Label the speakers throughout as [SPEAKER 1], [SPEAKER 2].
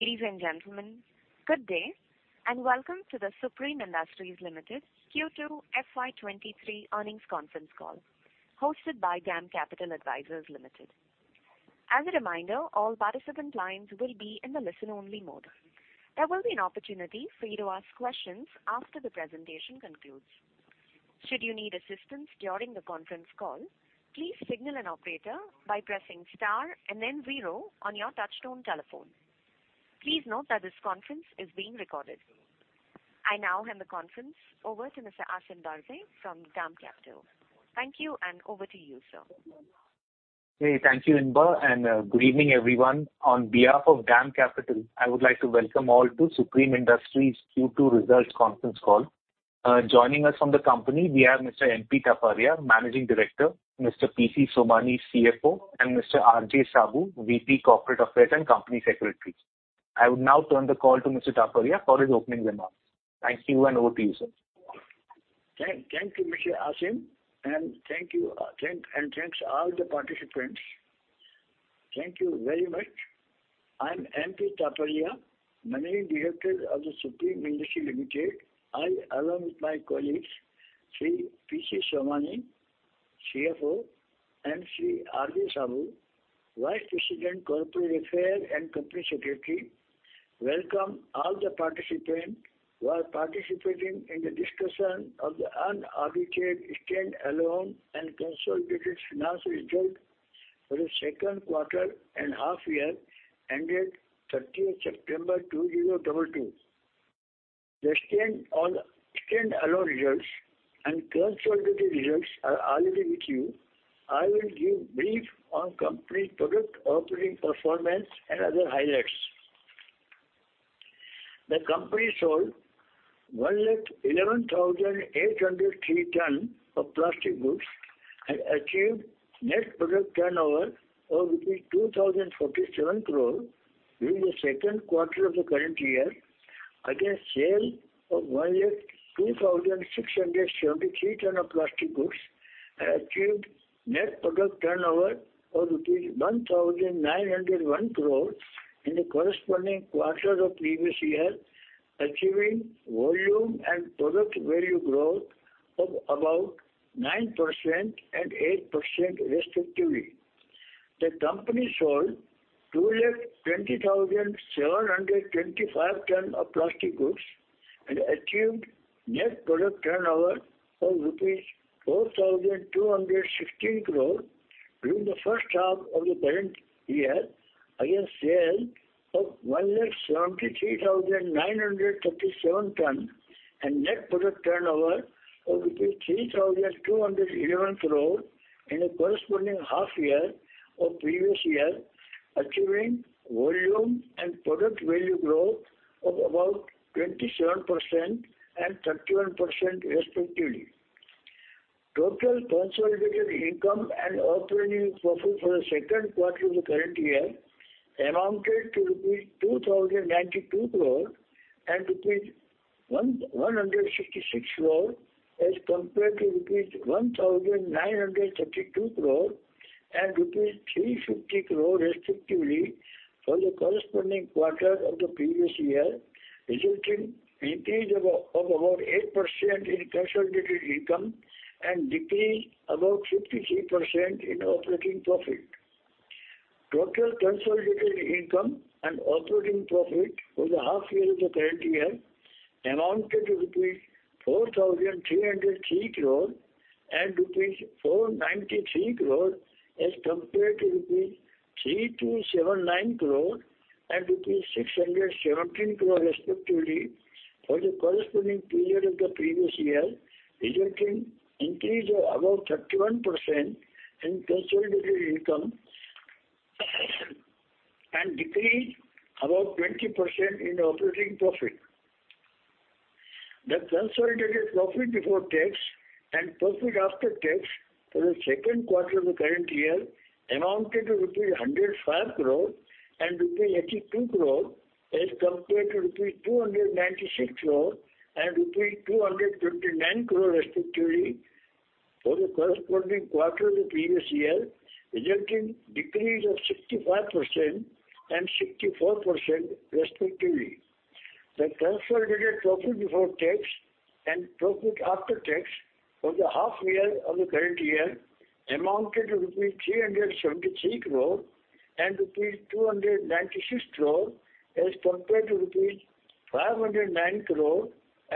[SPEAKER 1] Ladies and gentlemen, good day, and welcome to the Supreme Industries Limited Q2 FY 2023 earnings conference call hosted by DAM Capital Advisors Limited. As a reminder, all participant lines will be in the listen-only mode. There will be an opportunity for you to ask questions after the presentation concludes. Should you need assistance during the conference call, please signal an operator by pressing star and then zero on your touchtone telephone. Please note that this conference is being recorded. I now hand the conference over to Mr. Aasim Bharde from DAM Capital. Thank you, and over to you, sir.
[SPEAKER 2] Hey, thank you, Inba, and good evening, everyone. On behalf of DAM Capital, I would like to welcome all to Supreme Industries Q2 results conference call. Joining us from the company we have Mr. M.P. Taparia, Managing Director, Mr. P.C. Somani, CFO, and Mr. R.J. Saboo, VP Corporate Affairs and Company Secretary. I would now turn the call to Mr. Taparia for his opening remarks. Thank you, and over to you, sir.
[SPEAKER 3] Thank you, Mr. Aasim, and thank you, and thanks to all the participants. Thank you very much. I'm M.P. Taparia, Managing Director of The Supreme Industries Limited. I, along with my colleagues, Sri P.C. Somani, CFO, and Sri R.J. Saboo, Vice President Corporate Affairs and Company Secretary, welcome all the participants who are participating in the discussion of the unaudited stand-alone and consolidated financial results for the second quarter and half year ended September 30th, 2022. The stand-alone results and consolidated results are already with you. I will give brief on company product operating performance and other highlights. The company sold 111,803 tons of plastic goods and achieved net product turnover of 2,047 crore during the second quarter of the current year against sales of 102,673 tons of plastic goods and net product turnover of rupees 1,901 crore in the corresponding quarter of the previous year, achieving volume and product value growth of about 9% and 8% respectively. The company sold 220,725 tons of plastic goods and achieved net product turnover of rupees 4,216 crore during the first half of the current year against sales of 173,937 tons and net product turnover of 3,211 crore in the corresponding half year of previous year, achieving volume and product value growth of about 27% and 31% respectively. Total consolidated income and operating profit for the second quarter of the current year amounted to rupees 2,092 crore and rupees 1,166 crore as compared to rupees 1,932 crore and rupees 350 crore respectively for the corresponding quarter of the previous year, resulting increase of about 8% in consolidated income and decrease about 53% in operating profit. Total consolidated income and operating profit for the half year of the current year amounted to rupees 4,303 crore and rupees 493 crore as compared to rupees 3,279 crore and rupees 617 crore respectively for the corresponding period of the previous year, resulting increase of about 31% in consolidated income and decrease about 20% in operating profit. The consolidated profit before tax and profit after tax for the second quarter of the current year amounted to rupees 105 crore and rupees 82 crore as compared to rupees 296 crore and rupees 239 crore respectively for the corresponding quarter of the previous year, resulting decrease of 65% and 64% respectively. The consolidated profit before tax and profit after tax for the half year of the current year amounted to 373 crore rupees and 296 crore rupees as compared to 509 crore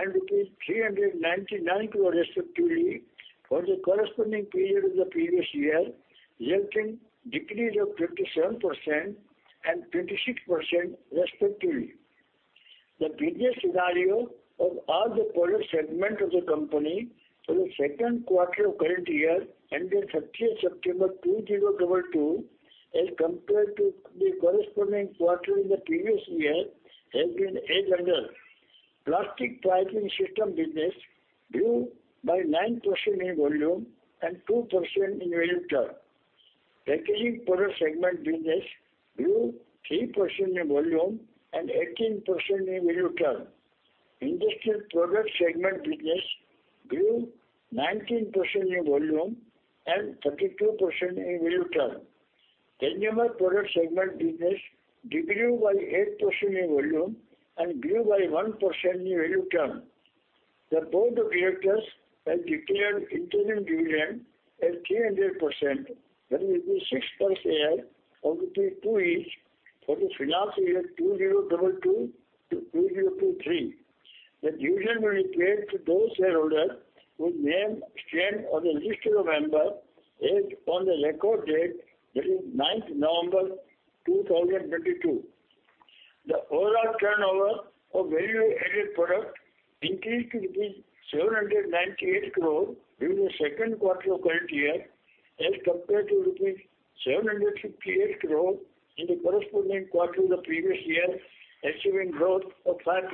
[SPEAKER 3] rupees and 399 crore rupees respectively for the corresponding period of the previous year, resulting decrease of 27% and 26% respectively. The business scenario of all the product segments of the company for the second quarter of current year ended September 30, 2022 as compared to the corresponding quarter in the previous year has been as under: Plastic Piping System business grew by 9% in volume and 2% in value terms. Packaging product segment business grew 3% in volume and 18% in value terms. Industrial product segment business grew 19% in volume and 32% in value terms. Consumer product segment business decreased by 8% in volume and grew by 1% in value terms. The Board of Directors has declared interim dividend at 300%, that is 6 per share of 2 each for the financial year 2022 to 2023. The dividend will be paid to those shareholders whose names stand on the list of members as on the record date, that is November 9, 2022. The overall turnover of value-added product increased to 798 crore during the second quarter of current year as compared to 758 crore in the corresponding quarter of the previous year, achieving growth of 5%.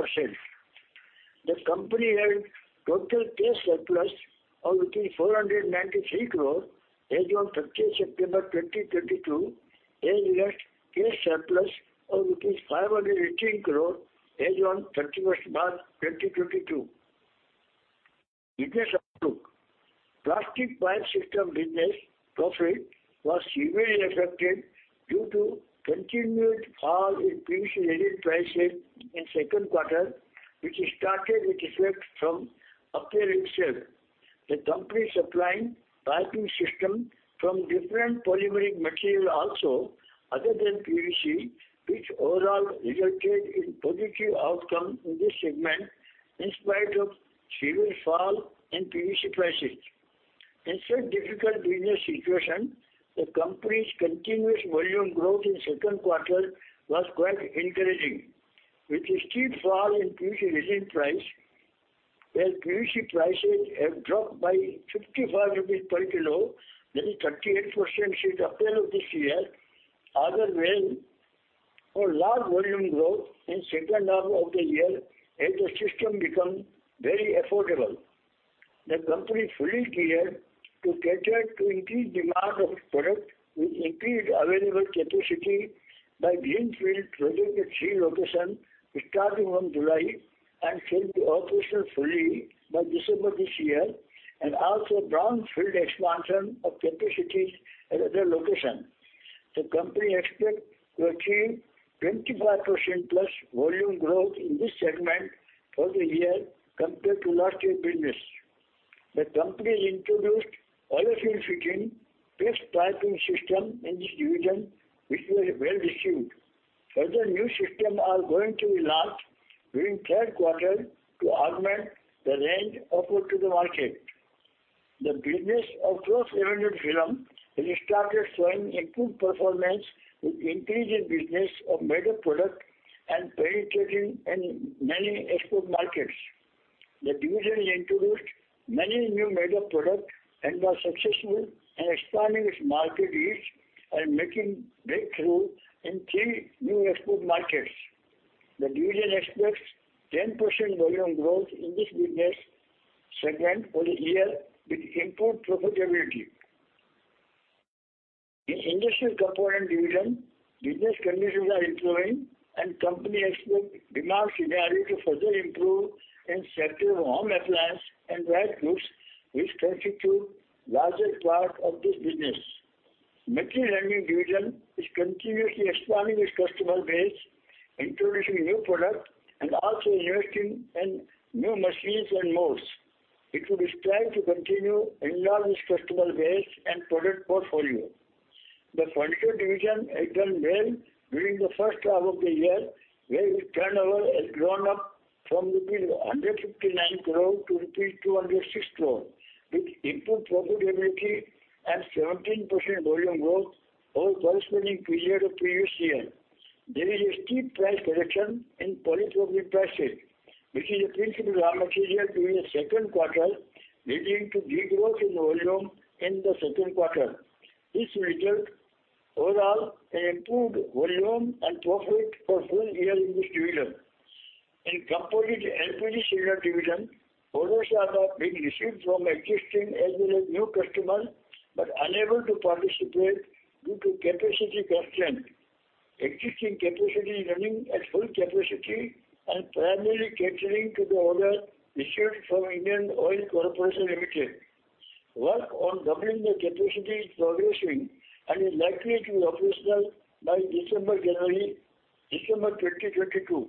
[SPEAKER 3] The company had total cash surplus of INR 493 crore as on September 30, 2022, as well as cash surplus of 518 crore as on March 31, 2022. Business outlook. Plastic pipe system business profit was severely affected due to continued fall in PVC resin prices in second quarter, which started with effect from April itself. The company supplying piping system from different polymeric material also other than PVC, which overall resulted in positive outcome in this segment in spite of severe fall in PVC prices. In such difficult business situation, the company's continuous volume growth in second quarter was quite encouraging. With the steep fall in PVC resin price, where PVC prices have dropped by 55 rupees per kilo, that is 38% since April of this year, orders gained for large volume growth in second half of the year as the system become very affordable. The company is fully geared to cater to increased demand of product with increased available capacity by greenfield project at three locations starting from July and soon to be operational fully by December this year, and also brownfield expansion of capacities at other locations. The company expects to achieve 25%+ volume growth in this segment for the year compared to last year business. The company introduced Olefin Fit fixed piping system in this division, which was well received. Further new system are going to be launched during third quarter to augment the range offered to the market. The business of cross-laminated film has started showing improved performance with increase in business of made-up product and penetrating in many export markets. The division introduced many new made-up product and was successful in expanding its market reach and making breakthrough in three new export markets. The division expects 10% volume growth in this business segment for the year with improved profitability. In Industrial Component division, business conditions are improving, and company expects demand scenario to further improve in sector of home appliance and white goods, which constitute largest part of this business. Material Handling division is continuously expanding its customer base, introducing new product, and also investing in new machines and molds. It will strive to continue enlarge its customer base and product portfolio. Packaging Film division has done well during the first half of the year, where its turnover has grown up from 159 crore-206 crore, with improved profitability and 17% volume growth over corresponding period of previous year. There is a steep price correction in polypropylene prices, which is a principal raw material during the second quarter, leading to decrease in volume in the second quarter. This resulted overall an improved volume and profit for full year in this division. In Composite LPG Cylinder division, orders are being received from existing as well as new customers, but unable to participate due to capacity constraint. Existing capacity is running at full capacity and primarily catering to the order received from Indian Oil Corporation Limited. Work on doubling the capacity is progressing and is likely to be operational by December 2022.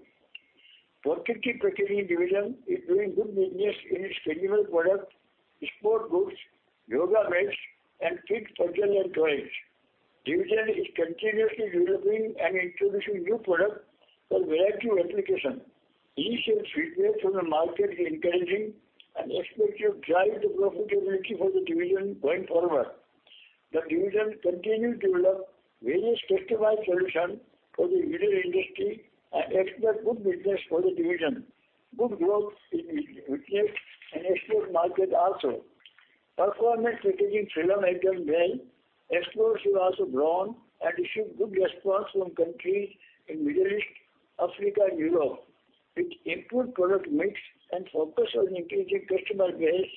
[SPEAKER 3] Polypropylene division is doing good business in its general product, sports goods, yoga mats, and kids' toys. Division is continuously developing and introducing new product for variety of application. Initial feedback from the market is encouraging and expected to drive the profitability for the division going forward. The division continue to develop various customized solution for the various industry and expect good business for the division. Good growth is being witnessed in export market also. Performance Polypropylene has done well. Exports have also grown and received good response from countries in Middle East, Africa, and Europe. With improved product mix and focus on increasing customer base,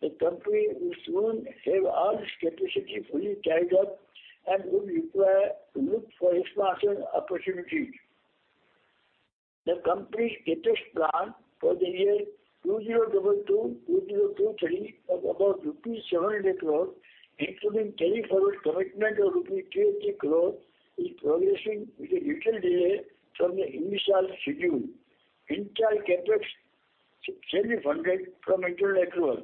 [SPEAKER 3] the company will soon have all its capacity fully tied up. Would require to look for expansion opportunities. The company's CapEx plan for the year 2022-2023 of about rupees 700 crores, including carryforward commitment of rupees 300 crores, is progressing with a little delay from the initial schedule. Entire CapEx shall be funded from internal accrual.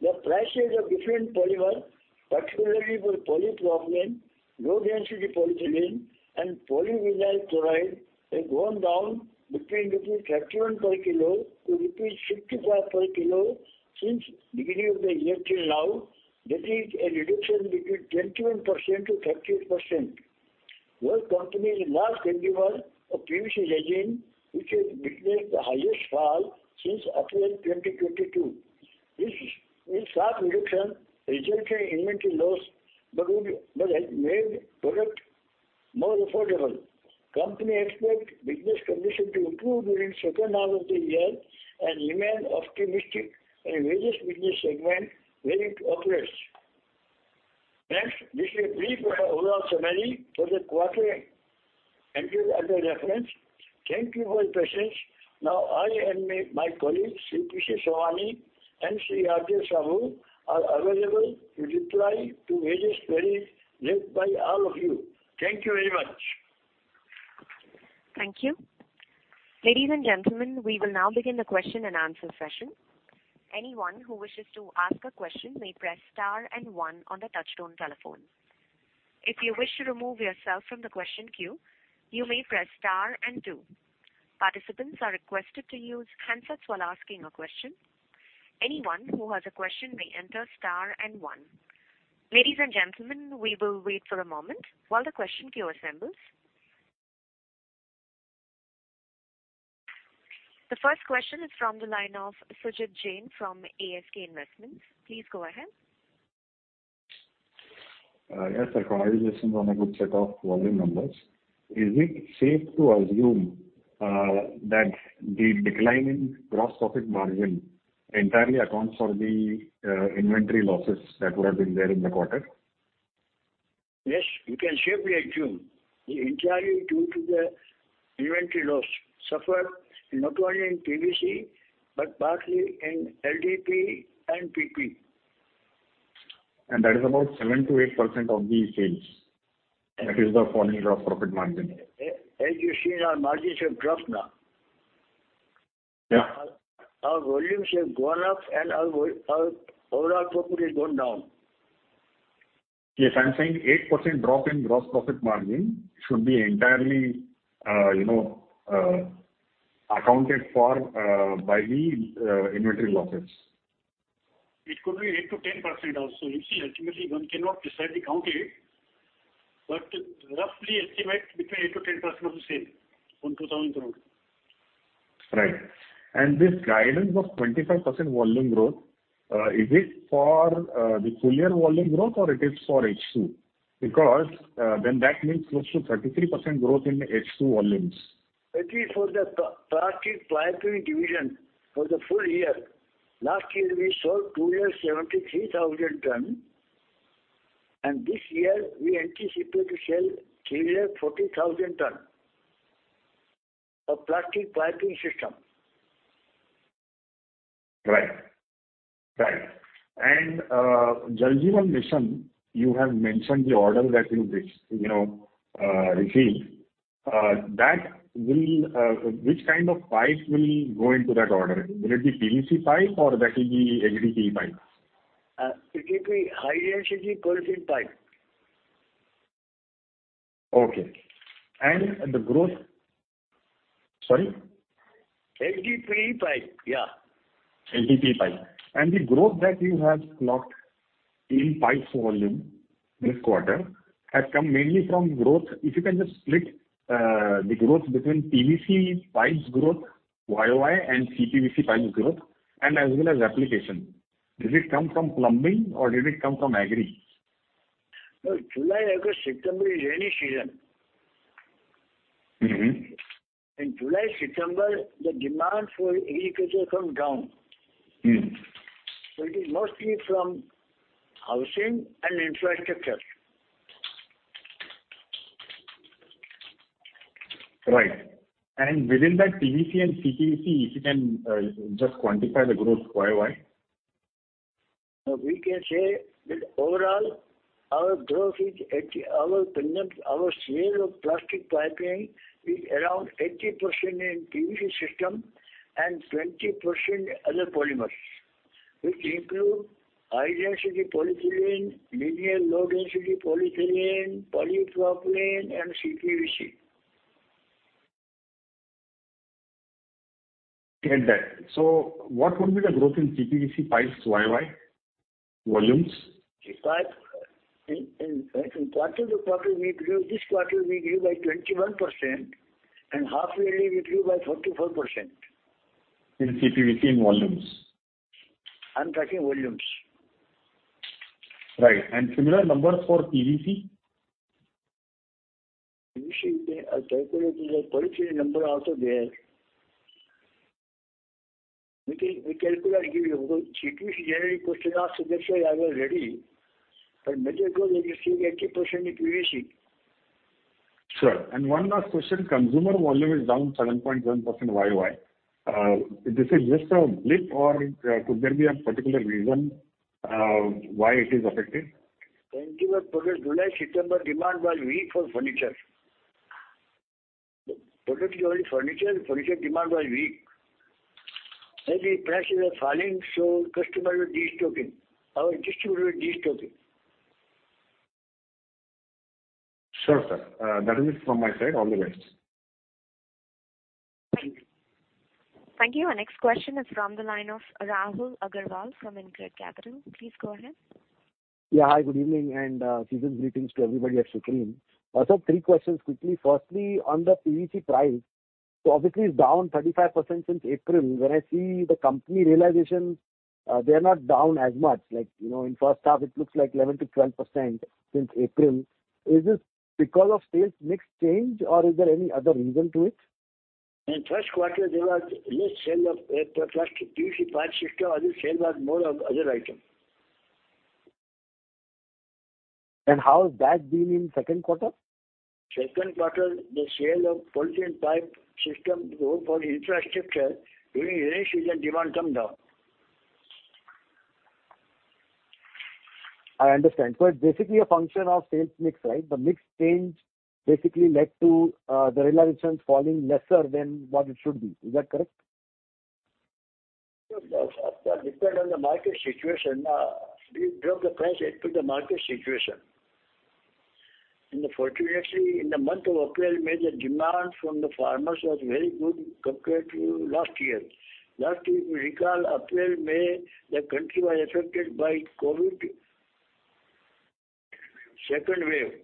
[SPEAKER 3] The prices of different polymers, particularly for polypropylene, low-density polyethylene, and polyvinyl chloride, have gone down between 31 per kilo-INR 65 per kilo since beginning of the year till now. That is a reduction between 21%-38%. Our company is a large end user of PVC resin, which has witnessed the highest fall since October 2022. This sharp reduction resulted in inventory loss, but has made product more affordable. Company expect business condition to improve during second half of the year and remain optimistic in various business segment where it operates. Next, this is brief of our overall summary for the quarter ended under reference. Thank you for your patience. Now, I and my colleagues, Sri P.C. Somani and Sri R.J. Saboo, are available to reply to various queries raised by all of you. Thank you very much.
[SPEAKER 1] Thank you. Ladies and gentlemen, we will now begin the question-and-answer session. Anyone who wishes to ask a question may press star and one on the touchtone telephone. If you wish to remove yourself from the question queue, you may press star and two. Participants are requested to use handsets while asking a question. Anyone who has a question may enter star and one. Ladies and gentlemen, we will wait for a moment while the question queue assembles. The first question is from the line of Sujit Jain from ASK Investment Managers. Please go ahead.
[SPEAKER 4] Yes, sir. Congratulations on a good set of volume numbers. Is it safe to assume that the decline in gross profit margin entirely accounts for the inventory losses that would have been there in the quarter?
[SPEAKER 3] Yes, you can safely assume. It's entirely due to the inventory loss suffered not only in PVC, but partly in LDPE and PP.
[SPEAKER 4] That is about 7%-8% of the sales. That is the falling gross profit margin.
[SPEAKER 3] As you see, our margins have dropped now.
[SPEAKER 4] Yeah.
[SPEAKER 3] Our volumes have gone up and our overall profit has gone down.
[SPEAKER 4] Yes, I'm saying 8% drop in gross profit margin should be entirely, you know, accounted for by the inventory losses.
[SPEAKER 5] It could be 8%-10% also. You see, ultimately one cannot precisely count it. Roughly estimate between 8%-10% of the sales from 2,000 crore.
[SPEAKER 4] Right. This guidance of 25% volume growth, is it for the full year volume growth or it is for H2? Because then that means close to 33% growth in the H2 volumes.
[SPEAKER 3] It is for the plastic piping division for the full year. Last year we sold 273,000 tons, and this year we anticipate to sell 340,000 tons of plastic piping system.
[SPEAKER 4] Right. Jal Jeevan Mission, you have mentioned the order that you know received. Which kind of pipe will go into that order? Will it be PVC pipe or that will be HDPE pipe?
[SPEAKER 3] It will be high-density polyethylene pipe.
[SPEAKER 4] Okay. Sorry?
[SPEAKER 3] HDPE pipe, yeah.
[SPEAKER 4] HDPE pipe. The growth that you have clocked in pipes volume this quarter has come mainly from growth. If you can just split the growth between PVC pipes growth YoY and CPVC pipes growth and as well as application. Did it come from plumbing or did it come from agri?
[SPEAKER 3] No. July, August, September is rainy season. In July, September, the demand for agriculture comes down. It is mostly from housing and infrastructure.
[SPEAKER 4] Right. Within that PVC and CPVC, if you can, just quantify the growth YoY?
[SPEAKER 3] We can say that overall our consumption, our sale of plastic piping is around 80% in PVC system and 20% other polymers, which include high-density polyethylene, linear low-density polyethylene, polypropylene, and CPVC.
[SPEAKER 4] Get that. What would be the growth in CPVC pipes YoY volumes?
[SPEAKER 3] In quarter-over-quarter we grew, this quarter we grew by 21% and half-yearly we grew by 44%.
[SPEAKER 4] In CPVC in volumes.
[SPEAKER 3] I'm tracking volumes.
[SPEAKER 4] Right. Similar numbers for PVC?
[SPEAKER 3] I'll calculate the polyethylene number also there. We can calculate, give you. Because PVC January, March, last December I was ready. Major growth we receive 80% in PVC.
[SPEAKER 4] Sure. One last question, consumer volume is down 7.7% YoY. Is this just a blip or could there be a particular reason why it is affected?
[SPEAKER 3] 21 product July-September demand was weak for furniture. Particularly only furniture demand was weak. The prices were falling, so customers were destocking. Our distributors were destocking.
[SPEAKER 4] Sure, sir. That is it from my side. All the best.
[SPEAKER 3] Thank you.
[SPEAKER 1] Thank you. Our next question is from the line of Rahul Agarwal from InCred Capital. Please go ahead.
[SPEAKER 6] Yeah. Hi, good evening, and season's greetings to everybody at Supreme. Also three questions quickly. Firstly, on the PVC price, so obviously it's down 35% since April. When I see the company realization, they are not down as much. Like, you know, in first half it looks like 11%-12% since April. Is this because of sales mix change or is there any other reason to it?
[SPEAKER 3] In first quarter there was less sale of plastic PVC piping system and the sale was more of other item.
[SPEAKER 6] How has that been in second quarter?
[SPEAKER 3] Second quarter, the sales of Plastic Piping System growth for infrastructure during rainy season, demand come down.
[SPEAKER 6] I understand. It's basically a function of sales mix, right? The mix change basically led to the realizations falling lesser than what it should be. Is that correct?
[SPEAKER 3] Yes. It depends on the market situation. We drop the price as per the market situation. Fortunately, in the month of April, May, the demand from the farmers was very good compared to last year. Last year if you recall April, May, the country was affected by COVID second wave,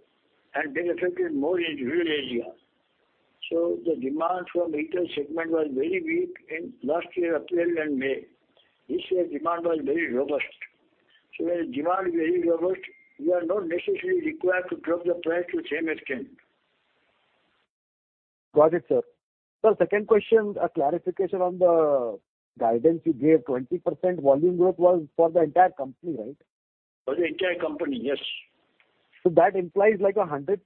[SPEAKER 3] and then affected more in rural area. The demand from retail segment was very weak in last year April and May. This year demand was very robust. When demand is very robust, you are not necessarily required to drop the price to the same extent.
[SPEAKER 6] Got it, sir. Second question, a clarification on the guidance you gave, 20% volume growth was for the entire company, right?
[SPEAKER 3] For the entire company, yes.
[SPEAKER 6] That implies like 100%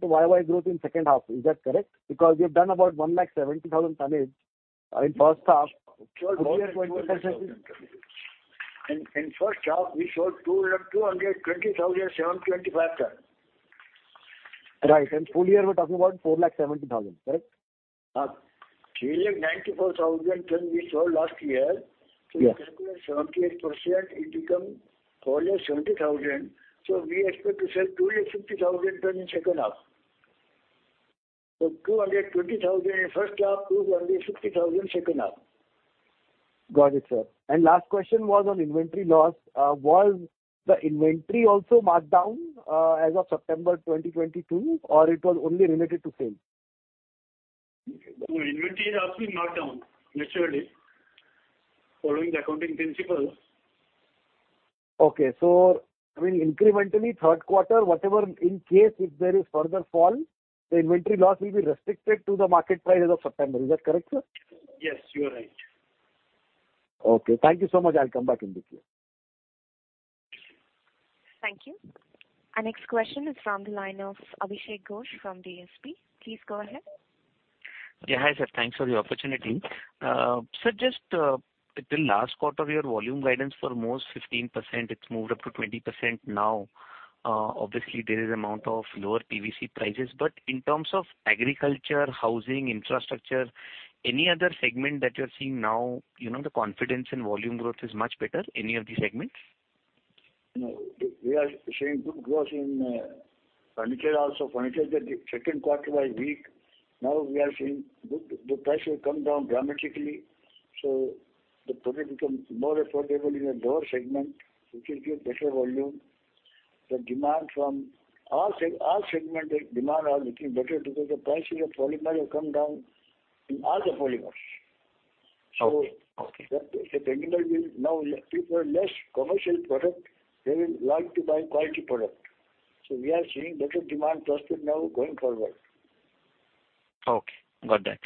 [SPEAKER 6] YoY growth in second half. Is that correct? Because you've done about 170,000 tonnage in first half. Full year 20% is-
[SPEAKER 3] In first half we showed 222,725 tons.
[SPEAKER 6] Right. Full year we're talking about 4.7 lakh. Correct?
[SPEAKER 3] 394,000 tons we sold last year.
[SPEAKER 6] Yes.
[SPEAKER 3] You calculate 78%, it become 470,000. We expect to sell 250,000 ton in second half. 220,000 in first half, 250,000 second half.
[SPEAKER 6] Got it, sir. Last question was on inventory loss. Was the inventory also marked down, as of September 2022, or it was only related to sales?
[SPEAKER 5] No, inventory is also marked down naturally following the accounting principles.
[SPEAKER 6] I mean, incrementally third quarter, whatever in case if there is further fall, the inventory loss will be restricted to the market price as of September. Is that correct, sir?
[SPEAKER 5] Yes, you are right.
[SPEAKER 6] Okay. Thank you so much. I'll come back in the queue.
[SPEAKER 1] Thank you. Our next question is from the line of Abhishek Ghosh from DSP. Please go ahead.
[SPEAKER 7] Yeah. Hi, sir. Thanks for the opportunity. Just till last quarter your volume guidance was almost 15%. It's moved up to 20% now. Obviously there is amount of lower PVC prices. In terms of agriculture, housing, infrastructure, any other segment that you're seeing now, you know, the confidence in volume growth is much better, any of these segments?
[SPEAKER 3] No. We are seeing good growth in furniture also. Furniture, the second quarter was weak. Now we are seeing good. The price will come down dramatically, so the product become more affordable in the lower segment, which will give better volume. The demand from all segment the demand are looking better because the prices of polymer have come down in all the polymers.
[SPEAKER 7] Okay. Okay.
[SPEAKER 5] The consumer will now prefer less commercial product. They will like to buy quality product. We are seeing better demand prospect now going forward.
[SPEAKER 7] Okay. Got that.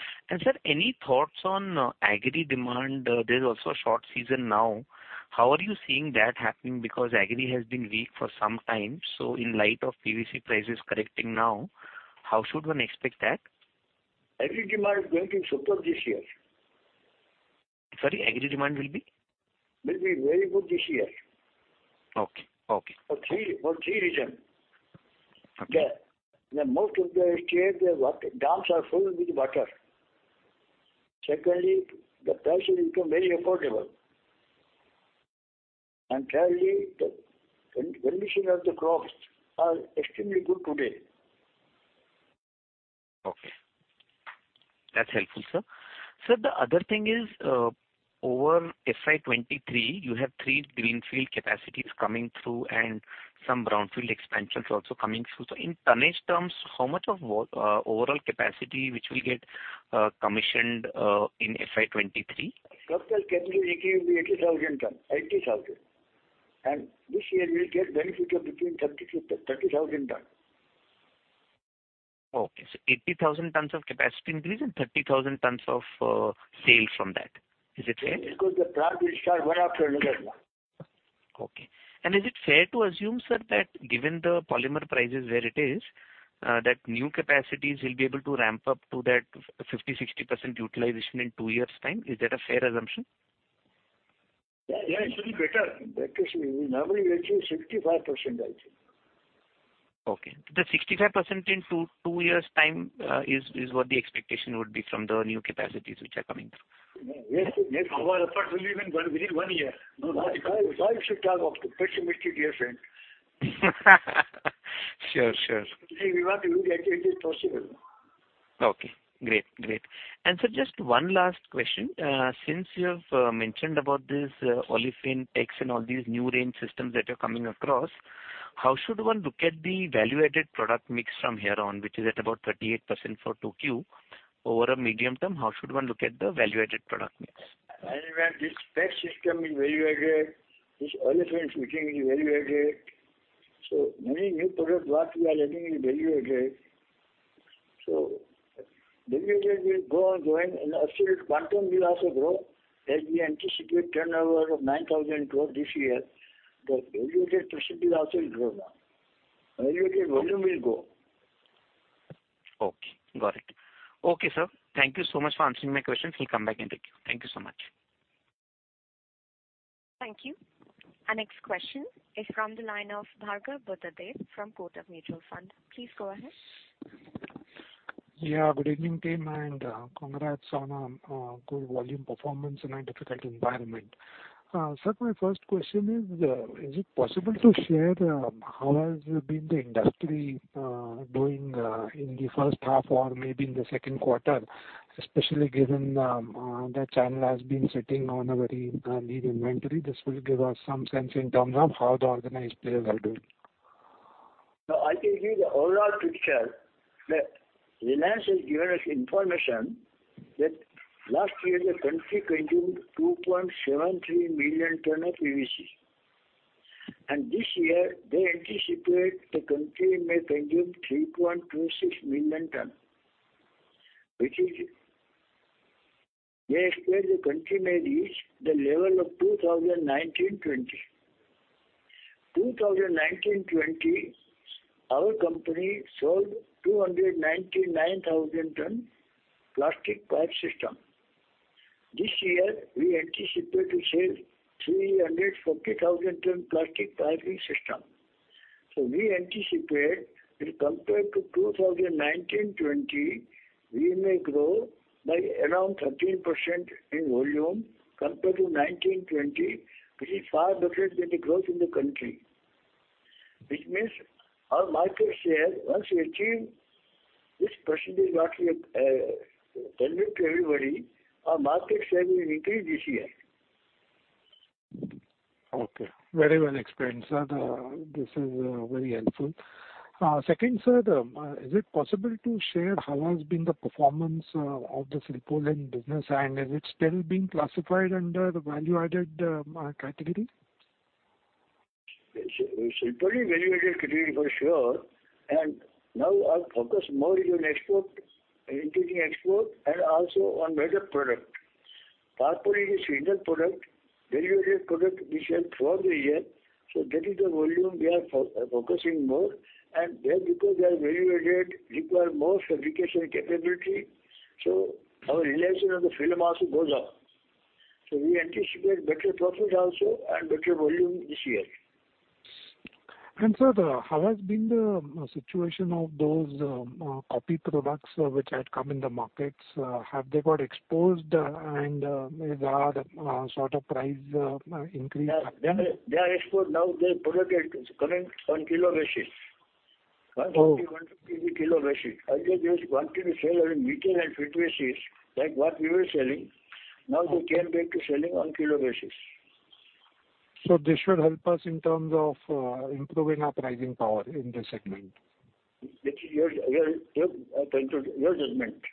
[SPEAKER 7] Sir, any thoughts on agri demand? There's also a short season now. How are you seeing that happening? Because agri has been weak for some time. In light of PVC prices correcting now, how should one expect that?
[SPEAKER 5] Agri demand going to be superb this year.
[SPEAKER 7] Sorry, agri demand will be?
[SPEAKER 5] Will be very good this year.
[SPEAKER 7] Okay. Okay.
[SPEAKER 5] For three reasons.
[SPEAKER 7] Okay.
[SPEAKER 5] In most of the state, the water dams are filled with water. Secondly, the price has become very affordable. Thirdly, the condition of the crops are extremely good today.
[SPEAKER 7] Okay. That's helpful, sir. Sir, the other thing is, over FY 2023, you have three greenfield capacities coming through and some brownfield expansions also coming through. In tonnage terms, how much of overall capacity which will get commissioned in FY 2023?
[SPEAKER 3] Total capacity will be 80,000 tons. This year we'll get benefit of between 30-- 30,000 tons.
[SPEAKER 7] 80,000 tons of capacity increase and 30,000 tons of sales from that. Is it fair?
[SPEAKER 3] Yes, because the plant will start one after another now.
[SPEAKER 7] Okay. Is it fair to assume, sir, that given the polymer price is where it is, that new capacities will be able to ramp up to that 50%-60% utilization in two years' time? Is that a fair assumption?
[SPEAKER 5] Yeah, it will be better.
[SPEAKER 3] Now we achieve 65%, I think.
[SPEAKER 7] Okay. The 65% in two years' time is what the expectation would be from the new capacities which are coming through?
[SPEAKER 3] Yes. Our effort will be even within one year. No, why you should talk of the pessimistic year, friend?
[SPEAKER 7] Sure. Sure.
[SPEAKER 3] We want to do that. It is possible.
[SPEAKER 7] Okay. Great. Sir, just one last question. Since you have mentioned about this Olefin Fit and all these new range systems that you're coming across, how should one look at the value-added product mix from here on, which is at about 38% for 2Q? Over a medium term, how should one look at the value-added product mix?
[SPEAKER 3] When this PEX system is value-added, this Olefin Fit is value-added, so many new product what we are adding is value-added. Value-added will go on growing and our sales quantum will also grow. As we anticipate turnover of 9,000 crore this year, the value-added percentage also will grow now. Value-added volume will grow.
[SPEAKER 7] Okay. Got it. Okay, sir. Thank you so much for answering my questions. We'll come back and talk to you. Thank you so much.
[SPEAKER 1] Thank you. Our next question is from the line of Bhargav Buddhadev from Kotak Mutual Fund. Please go ahead.
[SPEAKER 8] Yeah, good evening team and congrats on good volume performance in a difficult environment. Sir, my first question is it possible to share how has been the industry doing in the first half or maybe in the second quarter, especially given that channel has been sitting on a very lean inventory. This will give us some sense in terms of how the organized players are doing.
[SPEAKER 3] I can give the overall picture that Reliance has given us information that last year the country consumed 2.73 million tons of PVC. This year they anticipate the country may consume 3.26 million tons, They expect the country may reach the level of 2019-2020. 2019-2020, our company sold 299,000 tons plastic pipe system. This year we anticipate to sell 340,000 tons plastic piping system. We anticipate that compared to 2019-2020, we may grow by around 13% in volume compared to 2019-2020, which is far better than the growth in the country. Which means our market share, once we achieve this percentage what we have, tell it to everybody, our market share will increase this year.
[SPEAKER 8] Okay. Very well explained, sir. This is very helpful. Second, sir, is it possible to share how has been the performance of the Silpaulin business, and is it still being classified under the value-added category?
[SPEAKER 3] Silpaulin value-added category for sure, and now our focus more is on export, increasing export and also on better product. Silpaulin business is a seasonal product. Value-added product we sell throughout the year, so that is the volume we are focusing more. There because they are value-added require more fabrication capability, so our realization of the film also goes up. We anticipate better profit also and better volume this year.
[SPEAKER 8] Sir, how has been the situation of those copy products which had come in the markets? Have they got exposed and is there sort of price increase in them?
[SPEAKER 3] Yeah. They are exposed. Now the product at current on kilo basis.
[SPEAKER 8] Oh.
[SPEAKER 3] 150 kilo basis. Earlier they was wanting to sell on meter and fit basis, like what we were selling. Now they came back to selling on kilo basis.
[SPEAKER 8] This should help us in terms of improving our pricing power in this segment.
[SPEAKER 3] Which is your judgment.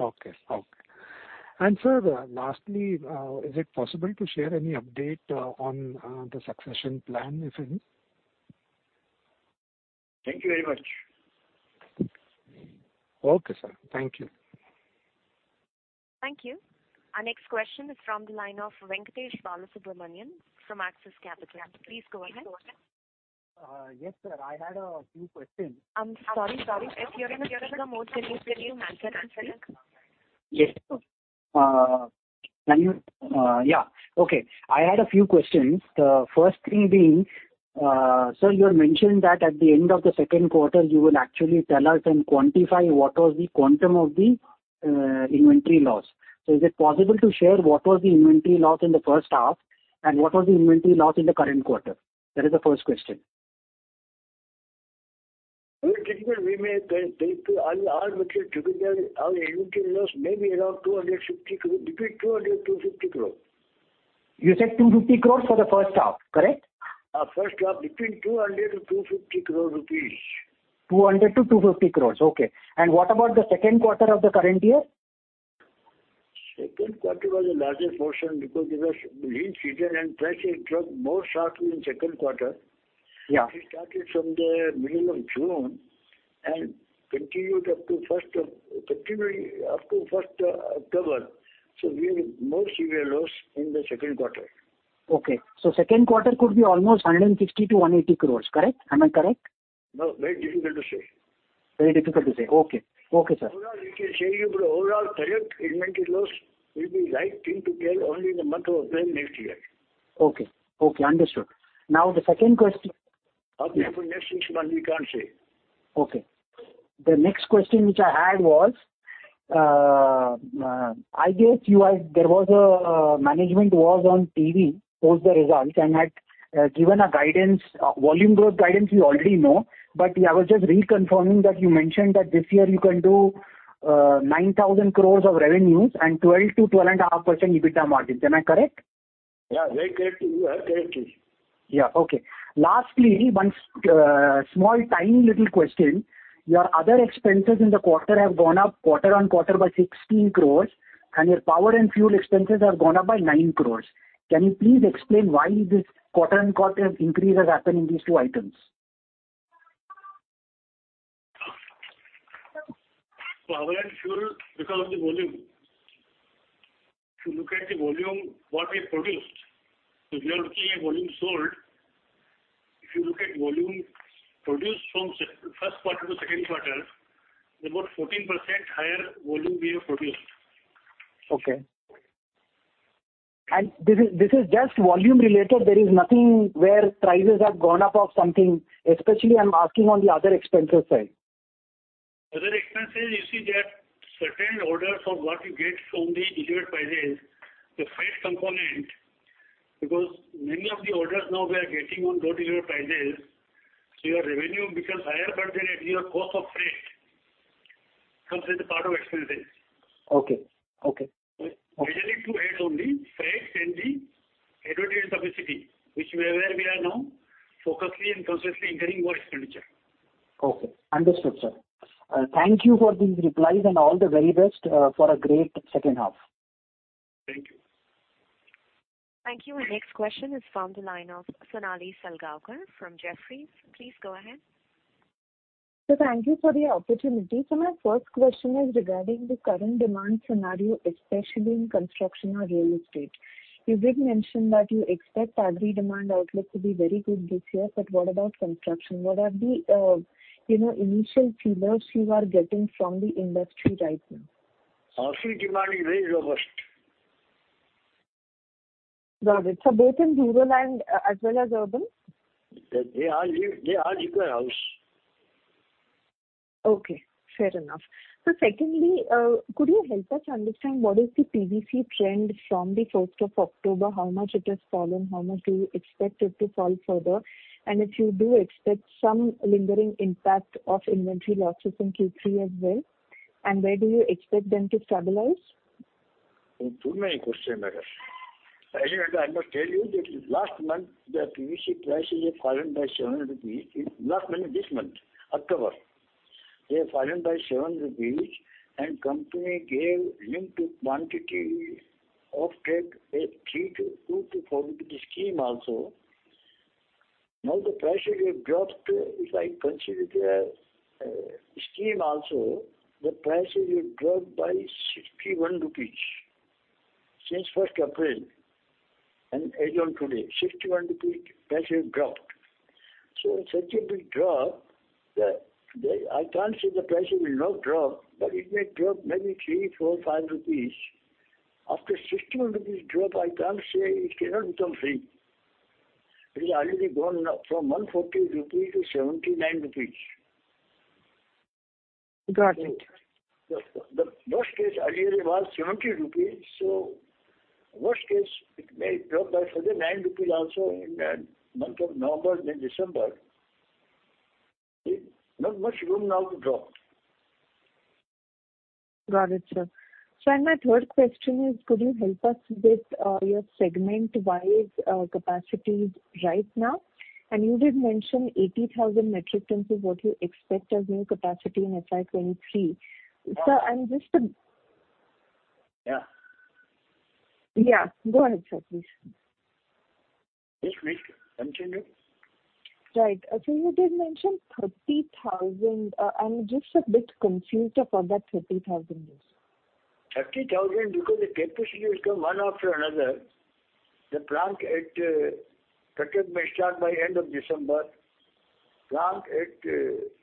[SPEAKER 8] Okay. Sir, lastly, is it possible to share any update on the succession plan, if any?
[SPEAKER 3] Thank you very much.
[SPEAKER 8] Okay, sir. Thank you.
[SPEAKER 1] Thank you. Our next question is from the line of Venkatesh Balasubramanian from Axis Capital. Please go ahead.
[SPEAKER 9] Yes, sir. I had a few questions.
[SPEAKER 1] I'm sorry. If you're in a bit of mode, can you answer and connect?
[SPEAKER 9] I had a few questions. The first thing being, sir, you had mentioned that at the end of the second quarter you will actually tell us and quantify what was the quantum of the inventory loss. Is it possible to share what was the inventory loss in the first half, and what was the inventory loss in the current quarter? That is the first question.
[SPEAKER 3] Very difficult. We may take all material together, our inventory loss may be around 250 crore, between 200-250 crore.
[SPEAKER 9] You said 250 crore for the first half, correct?
[SPEAKER 3] First half between 200 crore-250 crore
[SPEAKER 9] rupees. 200-250 crores. Okay. What about the second quarter of the current year?
[SPEAKER 3] Second quarter was a larger portion because it was lean season and prices dropped more sharply in second quarter.
[SPEAKER 9] Yeah.
[SPEAKER 3] It started from the middle of June and continued up to 1st of October. We had more severe loss in the second quarter.
[SPEAKER 9] Second quarter could be almost 160 crore-180 crore, correct? Am I correct?
[SPEAKER 3] No, very difficult to say.
[SPEAKER 9] Very difficult to say. Okay. Okay, sir.
[SPEAKER 3] Overall, we can say your overall correct inventory loss will be right thing to tell only in the month of April next year.
[SPEAKER 9] Okay. Okay, understood. Now the second question.
[SPEAKER 3] Okay, for next fiscal we can't say.
[SPEAKER 9] Okay. The next question which I had was, I guess management was on TV, post the results, and had given a guidance. Volume growth guidance we already know, but I was just reconfirming that you mentioned that this year you can do 9,000 crore of revenues and 12%-12.5% EBITDA margin. Am I correct?
[SPEAKER 3] Yeah. Very correct. You have correctly.
[SPEAKER 9] Yeah. Okay. Lastly, one small, tiny little question. Your other expenses in the quarter have gone up quarter-on-quarter by 16 crore and your power and fuel expenses have gone up by 9 crore. Can you please explain why this quarter-on-quarter increase has happened in these two items?
[SPEAKER 5] Power and fuel because of the volume. If you look at the volume, what we produced. If you are looking at volume sold, if you look at volume produced from first quarter to second quarter, about 14% higher volume we have produced.
[SPEAKER 9] Okay. This is just volume related. There is nothing where prices have gone up or something. Especially, I'm asking on the other expenses side.
[SPEAKER 5] Other expenses, you see, that certain orders of what you get from the elevated prices, the freight component, because many of the orders now we are getting on low delivered prices, so your revenue becomes higher, but then your cost of freight comes as a part of expenses.
[SPEAKER 9] Okay.
[SPEAKER 5] Majorly two heads only, freights and the higher capacity, where we are now focusing and consciously incurring more expenditure.
[SPEAKER 9] Okay. Understood, sir. Thank you for these replies and all the very best for a great second half.
[SPEAKER 3] Thank you.
[SPEAKER 1] Thank you. Our next question is from the line of Sonali Salgaonkar from Jefferies. Please go ahead.
[SPEAKER 10] Thank you for the opportunity. My first question is regarding the current demand scenario, especially in construction or real estate. You did mention that you expect agri demand outlook to be very good this year, but what about construction? What are the, you know, initial feelers you are getting from the industry right now?
[SPEAKER 3] Agri demand is very robust.
[SPEAKER 10] Got it. Both in rural and, as well as urban?
[SPEAKER 3] They all live, they all require house.
[SPEAKER 10] Okay, fair enough. Secondly, could you help us understand what is the PVC trend from the fourth of October, how much it has fallen, how much do you expect it to fall further? If you do expect some lingering impact of inventory losses in Q3 as well, and where do you expect them to stabilize?
[SPEAKER 3] I have two main questions, madam. As I must tell you that last month the PVC prices have fallen by 7 rupees. Last month, this month, October. They have fallen by 7 rupees and company gave linkage to quantity offtake, a 2-4 rupees scheme also. Now the prices have dropped, if I consider their scheme also, the prices have dropped by 61 rupees since April 1 and as on today. 61 rupees price have dropped. Such a big drop that I can't say the price will not drop, but it may drop maybe 3, 4, 5 rupees. After 61 rupees drop, I can't say it cannot become three. It is already gone up from 140-79 rupees.
[SPEAKER 10] Got it.
[SPEAKER 3] Worst case earlier was 70 rupees, so worst case it may drop by further 9 rupees also in the month of November, then December. It's not much room now to drop.
[SPEAKER 10] Got it, sir. Sir, my third question is could you help us with your segment-wise capacities right now? You did mention 80,000 metric tons is what you expect as new capacity in FY 2023. Sir, I'm just-
[SPEAKER 3] Yeah.
[SPEAKER 10] Yeah, go ahead, sir, please.
[SPEAKER 3] Yes, please continue.
[SPEAKER 10] Right. You did mention 30,000. I'm just a bit confused about that 30,000 piece.
[SPEAKER 3] 30,000 because the capacity has come one after another. The plant at Patalganga may start by end of December. Plant at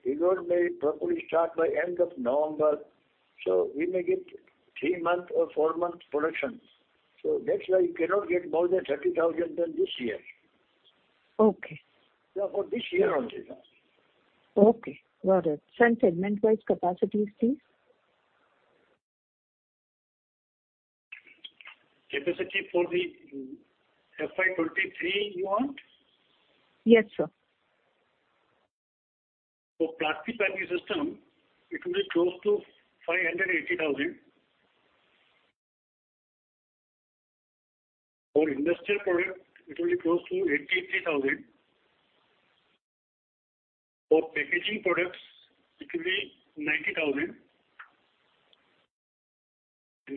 [SPEAKER 3] Igatpuri may properly start by end of November. We may get three month or four month production. That's why you cannot get more than 30,000 than this year.
[SPEAKER 10] Okay.
[SPEAKER 3] Yeah, for this year only.
[SPEAKER 10] Okay. Got it. Sir, segment-wise capacities, please.
[SPEAKER 5] Capacity for the FY 2023 you want?
[SPEAKER 10] Yes, sir.
[SPEAKER 5] For Plastic Piping System, it will be close to 580,000. For industrial product, it will be close to 83,000. For packaging products, it will be 90,000.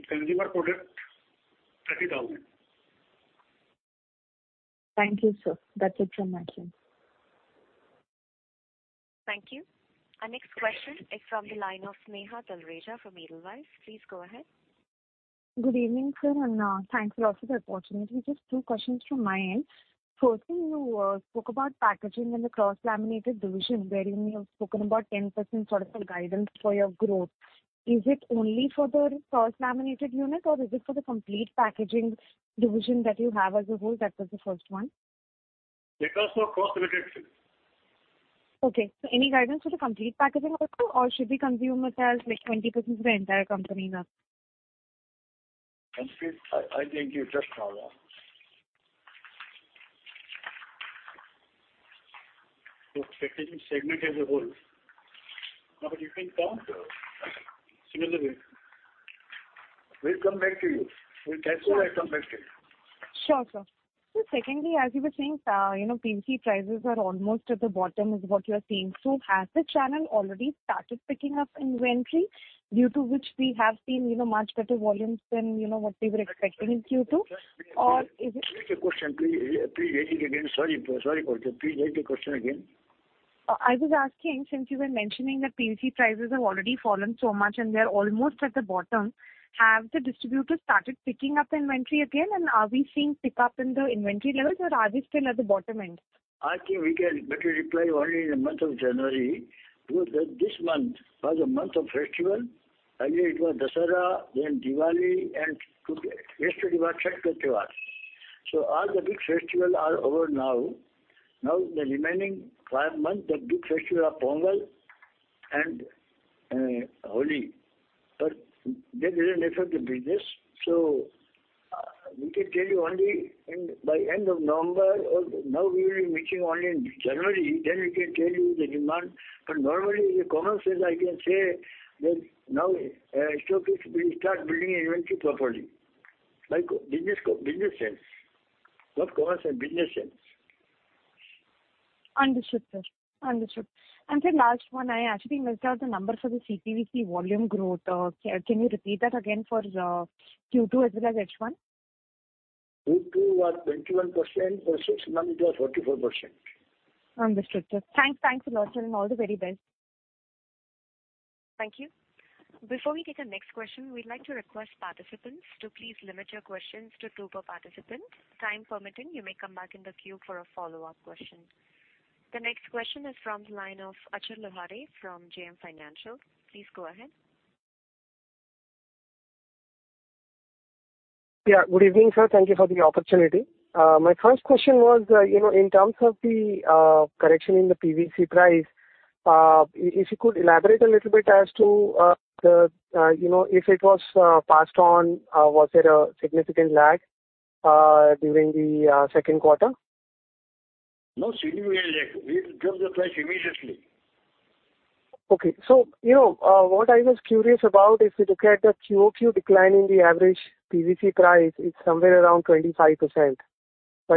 [SPEAKER 5] Consumer product, 30,000.
[SPEAKER 10] Thank you, sir. That's it from my end.
[SPEAKER 1] Thank you. Our next question is from the line of Sneha Talreja from Edelweiss. Please go ahead.
[SPEAKER 11] Good evening, sir, and thanks a lot for the opportunity. Just two questions from my end. Firstly, you spoke about packaging in the Cross-Laminated division, where you may have spoken about 10% sort of a guidance for your growth. Is it only for the Cross-Laminated unit or is it for the complete packaging division that you have as a whole? That was the first one.
[SPEAKER 3] Because of cost reduction.
[SPEAKER 11] Okay. Any guidance for the composite packaging also, or should we assume it as like 20% of the entire company now?
[SPEAKER 3] Complete. I gave you just now.
[SPEAKER 5] Packaging segment as a whole.
[SPEAKER 3] Now, you can count similarly. We'll come back to you. We'll calculate, come back to you.
[SPEAKER 11] Sure, sir. Secondly, as you were saying, you know PVC prices are almost at the bottom is what you are seeing. Has the channel already started picking up inventory due to which we have seen, you know, much better volumes than, you know, what we were expecting in Q2? Or is it
[SPEAKER 3] Repeat the question. Please re-read it again. Sorry, Sneha Talreja. Please read the question again.
[SPEAKER 11] I was asking since you were mentioning that PVC prices have already fallen so much and they're almost at the bottom, have the distributors started picking up inventory again? Are we seeing pickup in the inventory levels or are we still at the bottom end?
[SPEAKER 3] I think we can better reply only in the month of January, because this month was a month of festival. Earlier it was Dussehra, then Diwali, and yesterday was Chhath Puja. All the big festival are over now. Now the remaining five months, the big festival are Pongal and Holi, but they didn't affect the business. We can tell you only by end of November or now we will be meeting only in January, then we can tell you the demand. Normally the common sense I can say that now stockists will start building inventory properly. By business sense. Not common sense, business sense.
[SPEAKER 11] Understood, sir. Understood. Sir, last one. I actually missed out the numbers for the CPVC volume growth. Can you repeat that again for Q2 as well as H1?
[SPEAKER 3] Q2 was 21% versus nil. It was 44%.
[SPEAKER 11] Understood, sir. Thanks. Thanks a lot, sir, and all the very best.
[SPEAKER 1] Thank you. Before we take the next question, we'd like to request participants to please limit your questions to two per participant. Time permitting, you may come back in the queue for a follow-up question. The next question is from the line of Achal Lohade from JM Financial. Please go ahead.
[SPEAKER 12] Yeah. Good evening, sir. Thank you for the opportunity. My first question was, you know, in terms of the correction in the PVC price, if you could elaborate a little bit as to the, you know, if it was passed on, was there a significant lag during the second quarter?
[SPEAKER 3] No significant lag. We dropped the price immediately.
[SPEAKER 12] Okay. You know, what I was curious about, if you look at the QoQ decline in the average PVC price, it's somewhere around 25%.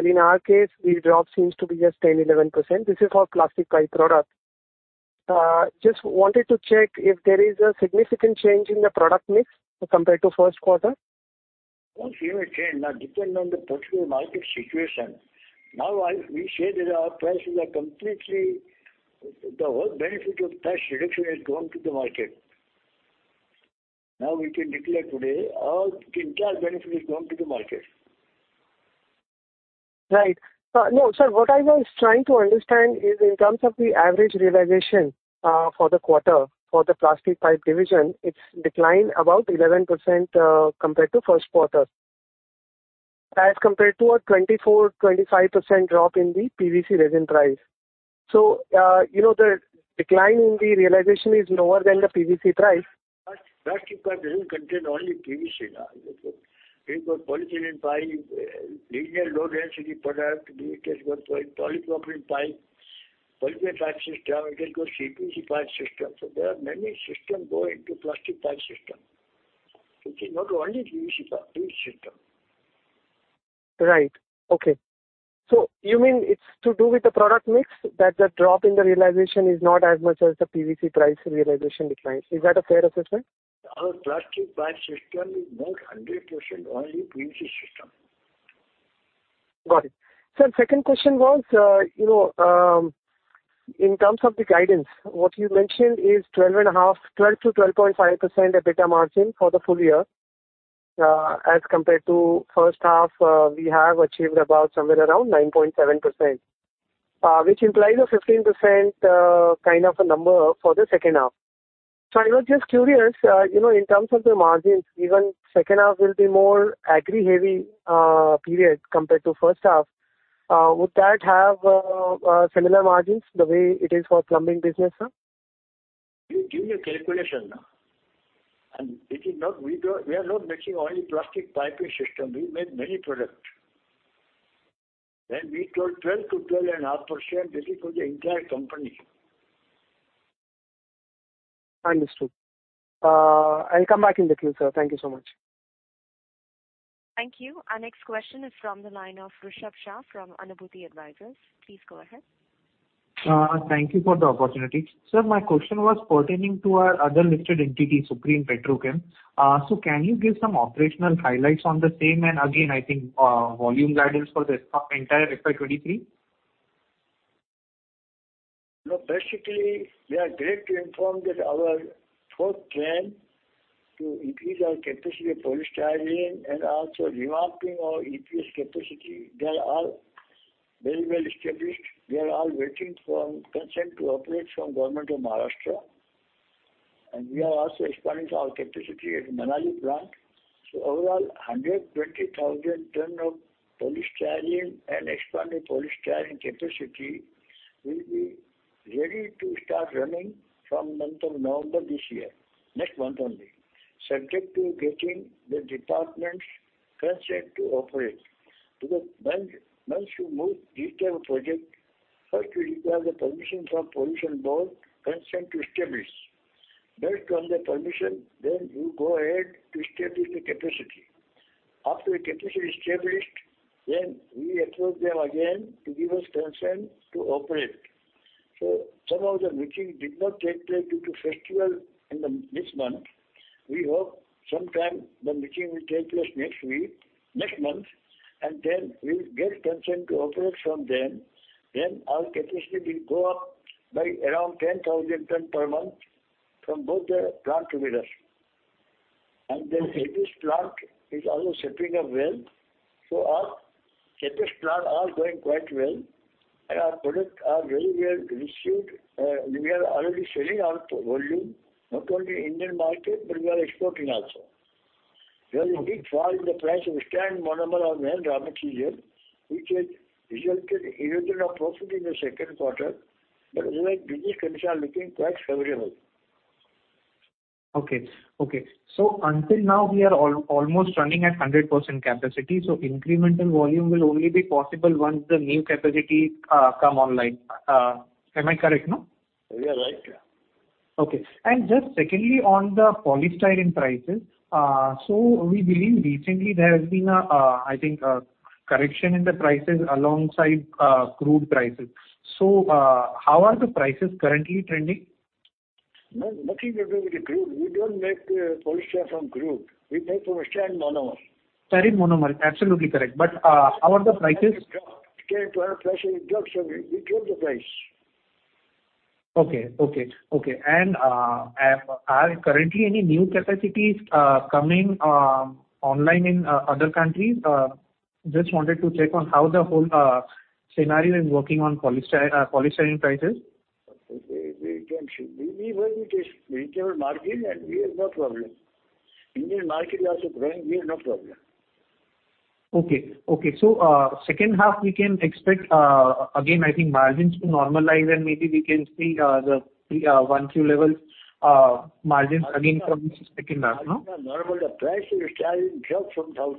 [SPEAKER 12] In our case, the drop seems to be just 10%-11%. This is for plastic pipe product. Just wanted to check if there is a significant change in the product mix compared to first quarter.
[SPEAKER 3] No significant change. Now, depending on the particular market situation. Now, we say that our prices are completely. The whole benefit of price reduction has gone to the market. Now, we can declare today all the entire benefit is going to the market.
[SPEAKER 12] Right. No, sir, what I was trying to understand is in terms of the average realization, for the quarter, for the plastic pipe division, it's declined about 11%, compared to first quarter. As compared to a 24%-25% drop in the PVC resin price. You know, the decline in the realization is lower than the PVC price.
[SPEAKER 3] Plastic pipe doesn't contain only PVC, Achal. It's got polyethylene pipe, linear low-density polyethylene. It has got polypropylene pipe, polyolefin pipe system. It has got CPVC pipe system. There are many systems that go into plastic pipe system. It is not only PVC system.
[SPEAKER 12] Right. Okay. You mean it's to do with the product mix, that the drop in the realization is not as much as the PVC price realization decline. Is that a fair assessment?
[SPEAKER 3] Our plastic piping system is not 100% only PVC system.
[SPEAKER 12] Got it. Sir, second question was, you know, in terms of the guidance, what you mentioned is 12.5%, 12%-12.5% EBITDA margin for the full year, as compared to first half, we have achieved about somewhere around 9.7%, which implies a 15%, kind of a number for the second half. I was just curious, you know, in terms of the margins, given second half will be more agri-heavy, period compared to first half, would that have, similar margins the way it is for plumbing business, sir?
[SPEAKER 3] We give you a calculation, no? We are not making only plastic piping system. We make many product. When we told 12%-12.5%, this is for the entire company.
[SPEAKER 12] Understood. I'll come back in the queue, sir. Thank you so much.
[SPEAKER 1] Thank you. Our next question is from the line of Rushabh Shah from Anubhuti Advisors. Please go ahead.
[SPEAKER 13] Thank you for the opportunity. Sir, my question was pertaining to our other listed entity, Supreme Petrochem. Can you give some operational highlights on the same, and again, I think, volume guidance for this entire FY 2023?
[SPEAKER 3] No, basically, we are glad to inform that our four plans to increase our capacity of polystyrene and also revamping our EPS capacity, they are all very well established. We are all waiting for consent to operate from Government of Maharashtra. We are also expanding our capacity at Manali plant. Overall, 120,000 tons of polystyrene and expanded polystyrene capacity will be ready to start running from month of November this year. Next month only, subject to getting the department's consent to operate. Because once you move detailed project, first you require the permission from Maharashtra Pollution Control Board consent to establish. Based on the permission, then you go ahead to establish the capacity. After the capacity is established, then we approach them again to give us consent to operate. Some of the meetings did not take place due to festival in this month. We hope sometime the meeting will take place next week, next month, and then we'll get consent to operate from them. Our capacity will go up by around 10,000 tons per month from both the plants together. EPS plant is also shaping up well. Our EPS plant are going quite well, and our product are very well received. We are already selling our volume, not only Indian market, but we are exporting also. There's a big fall in the price of styrene monomer on year-over-year basis, which has resulted in erosion of profit in the second quarter. Otherwise, business conditions are looking quite favorable.
[SPEAKER 13] Okay. Until now, we are almost running at 100% capacity, so incremental volume will only be possible once the new capacity come online. Am I correct, no?
[SPEAKER 3] You are right.
[SPEAKER 13] Okay. Just secondly, on the polystyrene prices, so we believe recently there has been, I think, a correction in the prices alongside crude prices. How are the prices currently trending?
[SPEAKER 3] No, nothing to do with the crude. We don't make polystyrene from crude. We make from a styrene monomer.
[SPEAKER 13] Styrene monomer, absolutely correct. How are the prices?
[SPEAKER 3] Price has dropped. Our prices dropped, so we drop the price.
[SPEAKER 13] Okay. Are currently any new capacities coming online in other countries? Just wanted to check on how the whole scenario is working on polystyrene prices.
[SPEAKER 3] We can ship. We will take reasonable margin and we have no problem. Indian market is also growing, we have no problem.
[SPEAKER 13] Okay. Second half we can expect again, I think margins to normalize, and maybe we can see the 1Q level margins again from second half, no?
[SPEAKER 3] Margins are normal. The price of styrene dropped from $1,500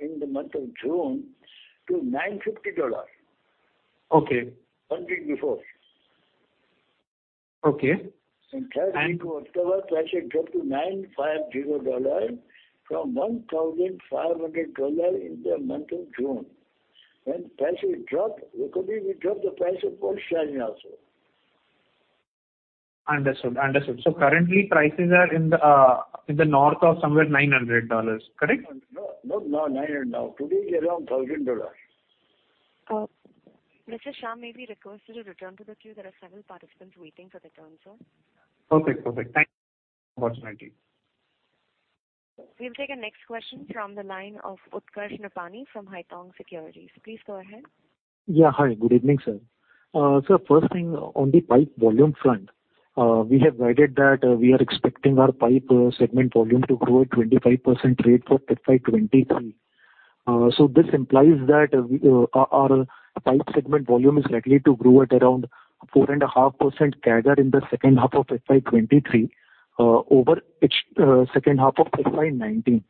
[SPEAKER 3] in the month of June to $950.
[SPEAKER 13] Okay.
[SPEAKER 3] One week before.
[SPEAKER 13] Okay.
[SPEAKER 3] In third week of October, price had dropped to $950 from $1,500 in the month of June. When price will drop, accordingly we drop the price of polystyrene also.
[SPEAKER 13] Understood. Currently prices are in the north of somewhere $900, correct?
[SPEAKER 3] No, not $900 now. Today is around $1,000.
[SPEAKER 1] Mr. Shah, may be requested to return to the queue. There are several participants waiting for their turn, sir.
[SPEAKER 13] Perfect. Thank you for the opportunity.
[SPEAKER 1] We'll take our next question from the line of Utkarsh Nopany from Haitong Securities. Please go ahead.
[SPEAKER 14] Yeah. Hi, good evening, sir. First thing on the pipe volume front, we have guided that we are expecting our pipe segment volume to grow at 25% rate for FY 2023. This implies that our pipe segment volume is likely to grow at around 4.5% CAGR in the second half of FY 2023 over its second half of FY 2019.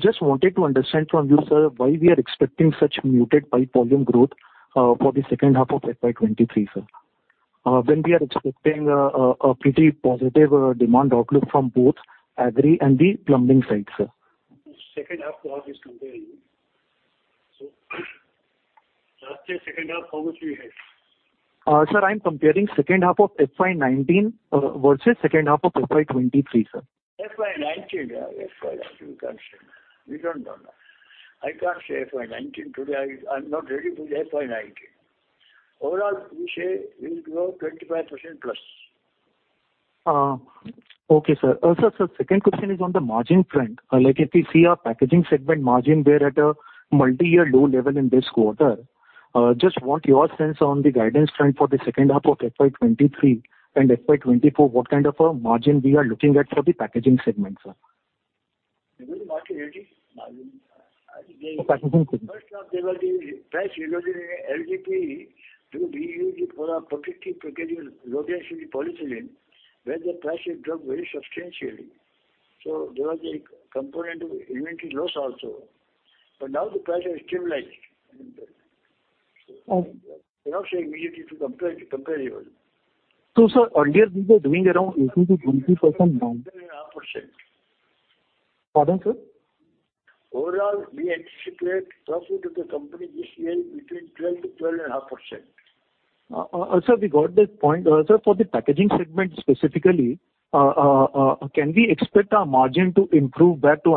[SPEAKER 14] Just wanted to understand from you, sir, why we are expecting such muted pipe volume growth for the second half of FY 2023, sir. When we are expecting a pretty positive demand outlook from both agri and the plumbing side, sir.
[SPEAKER 5] Second half to half is comparing. Last year second half, how much we had?
[SPEAKER 14] Sir, I'm comparing second half of FY 2019 versus second half of FY 2023, sir.
[SPEAKER 3] FY 2019, we can't say. We don't know that. I can't say FY 2019 today. I'm not ready with the FY 2019. Overall, we say we'll grow 25%+.
[SPEAKER 14] Okay, sir. Sir, second question is on the margin front. Like if we see our packaging segment margin, we're at a multi-year low level in this quarter. Just what's your sense on the guidance front for the second half of FY 2023 and FY 2024, what kind of a margin we are looking at for the packaging segment, sir?
[SPEAKER 3] You mean margin? [inaudible] Margin.
[SPEAKER 14] Packaging.
[SPEAKER 3] First half, there was a price erosion in LDPE to be used for our packaging material, low-density polyethylene, where the price has dropped very substantially. There was a component of inventory loss also. Now the price has stabilized. You're not saying immediately to compare yours.
[SPEAKER 14] Sir, earlier we were doing around 18%-20% down.
[SPEAKER 3] 12.5%.
[SPEAKER 14] Pardon, sir?
[SPEAKER 3] Overall, we anticipate profit of the company this year between 12%-12.5%.
[SPEAKER 14] Sir, we got that point. Sir, for the packaging segment specifically, can we expect our margin to improve back to,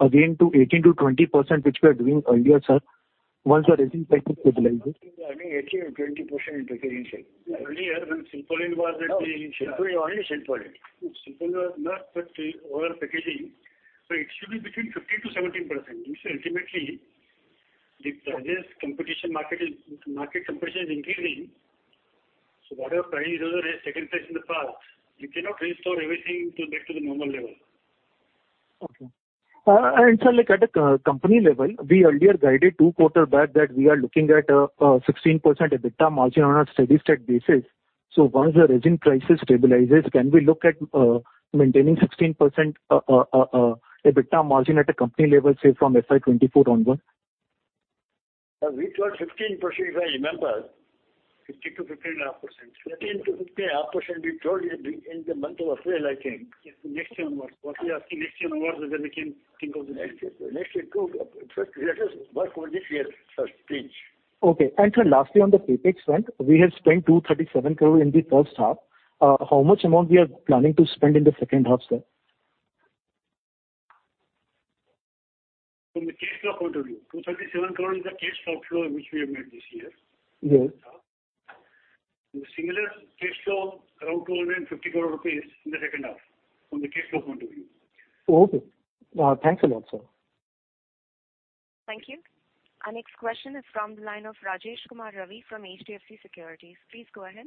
[SPEAKER 14] again to 18%-20%, which we were doing earlier, sir, once the resin price is stabilized?
[SPEAKER 3] I mean 18%-20% in packaging, sir.
[SPEAKER 5] Earlier when Silpaulin was there.
[SPEAKER 3] No, sir. Silpaulin.
[SPEAKER 5] Polystyrene was not, but the overall packaging. It should be between 15%-17%. Ultimately, market competition is increasing. Whatever price hikes have taken place in the past, you cannot restore everything to get to the normal level.
[SPEAKER 14] Okay. Sir, like at a company level, we earlier guided two quarters back that we are looking at a 16% EBITDA margin on a steady-state basis. Once the resin prices stabilizes, can we look at maintaining 16% EBITDA margin at a company level, say, from FY 2024 onward?
[SPEAKER 3] We thought 15%, if I remember. 15%-15.5% we told you in the month of April, I think.
[SPEAKER 14] Yes.
[SPEAKER 3] Next year onwards. What we are asking next year onwards is when we can think of the next year. Next year. First, let us work for this year, sir, please.
[SPEAKER 14] Okay. Sir, lastly, on the CapEx front, we have spent 237 crore in the first half. How much amount we are planning to spend in the second half, sir?
[SPEAKER 5] From the cash flow point of view, 237 crore is the cash outflow which we have made this year.
[SPEAKER 14] Yes.
[SPEAKER 5] Similar cash flow, around 250 crore rupees in the second half from the cash flow point of view.
[SPEAKER 14] Okay. Thanks a lot, sir.
[SPEAKER 1] Thank you. Our next question is from the line of Rajesh Kumar Ravi from HDFC Securities. Please go ahead.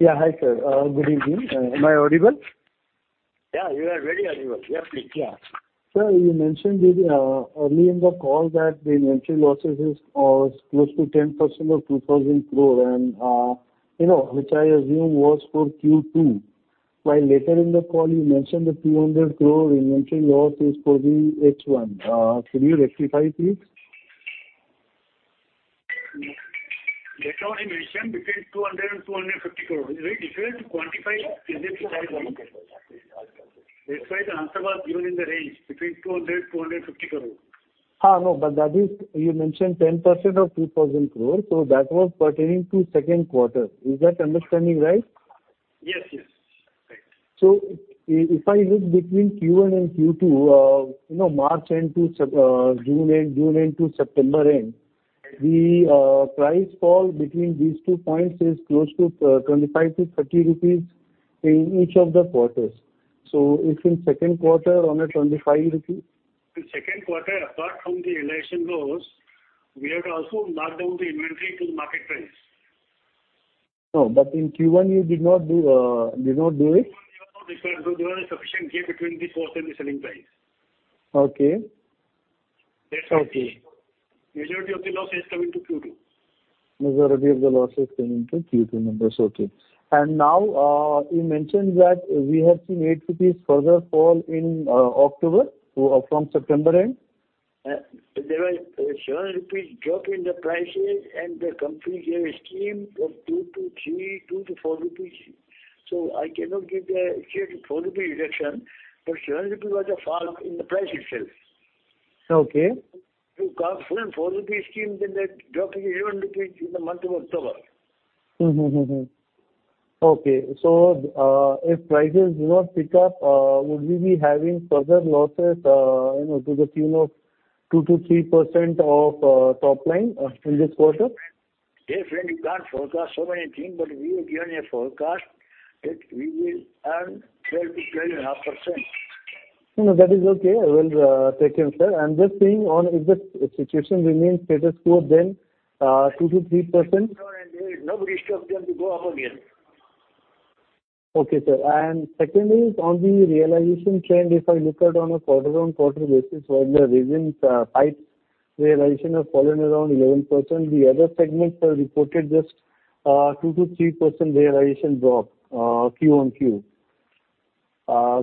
[SPEAKER 15] Yeah. Hi, sir. Good evening. Am I audible?
[SPEAKER 3] Yeah, you are very audible. Yes, please.
[SPEAKER 15] Yeah. Sir, you mentioned early in the call that the inventory losses is close to 10% of 2,000 crore and, you know, which I assume was for Q2. While later in the call you mentioned the 200 crore inventory loss is for the H1. Could you rectify please?
[SPEAKER 5] Later on, I mentioned between 200 crore and 250 crore. It is very difficult to quantify this precisely. That's why the answer was given in the range between 200 crore and 250 crore.
[SPEAKER 15] No, but you mentioned 10% of 2,000 crore, so that was pertaining to second quarter. Is that understanding right?
[SPEAKER 5] Yes, yes. Right.
[SPEAKER 15] If I look between Q1 and Q2, you know, March end to June end, June end to September end, the price fall between these two points is close to 25-30 rupees in each of the quarters. If in second quarter on a 25 rupees-
[SPEAKER 5] In second quarter, apart from the exceptional losses, we have to also mark down the inventory to the market price.
[SPEAKER 15] No, in Q1 you did not do it.
[SPEAKER 5] Q1, there was no discount. There was a sufficient gap between the cost and the selling price.
[SPEAKER 15] Okay.
[SPEAKER 3] That's why.
[SPEAKER 15] Okay.
[SPEAKER 3] Majority of the losses come into Q2.
[SPEAKER 15] Majority of the losses come into Q2. Number's okay. Now, you mentioned that we have seen 8 rupees further fall in October from September end.
[SPEAKER 3] There was 7 rupees drop in the prices and the company gave a scheme of 2-3, 2-4 rupees. I cannot give the 3-4 rupees reduction, but 7 rupees was a fall in the price itself.
[SPEAKER 15] Okay.
[SPEAKER 3] You got full 4 rupees scheme. That drop is 11 rupees in the month of October.
[SPEAKER 15] If prices do not pick up, would we be having further losses, you know, to the tune of 2%-3% of top line in this quarter?
[SPEAKER 3] Definitely, you can't forecast so many things, but we have given a forecast that we will earn 12%-12.5%.
[SPEAKER 15] No, no, that is okay. I will take him, sir. I'm just seeing on if the situation remains status quo, then 2%-3%.
[SPEAKER 3] No, there is no risk of them to go up again.
[SPEAKER 15] Okay, sir. Secondly, on the realization trend, if I look at on a quarter-on-quarter basis, while the resins, pipes realization have fallen around 11%, the other segments have reported just, 2%-3% realization drop, Q-on-Q.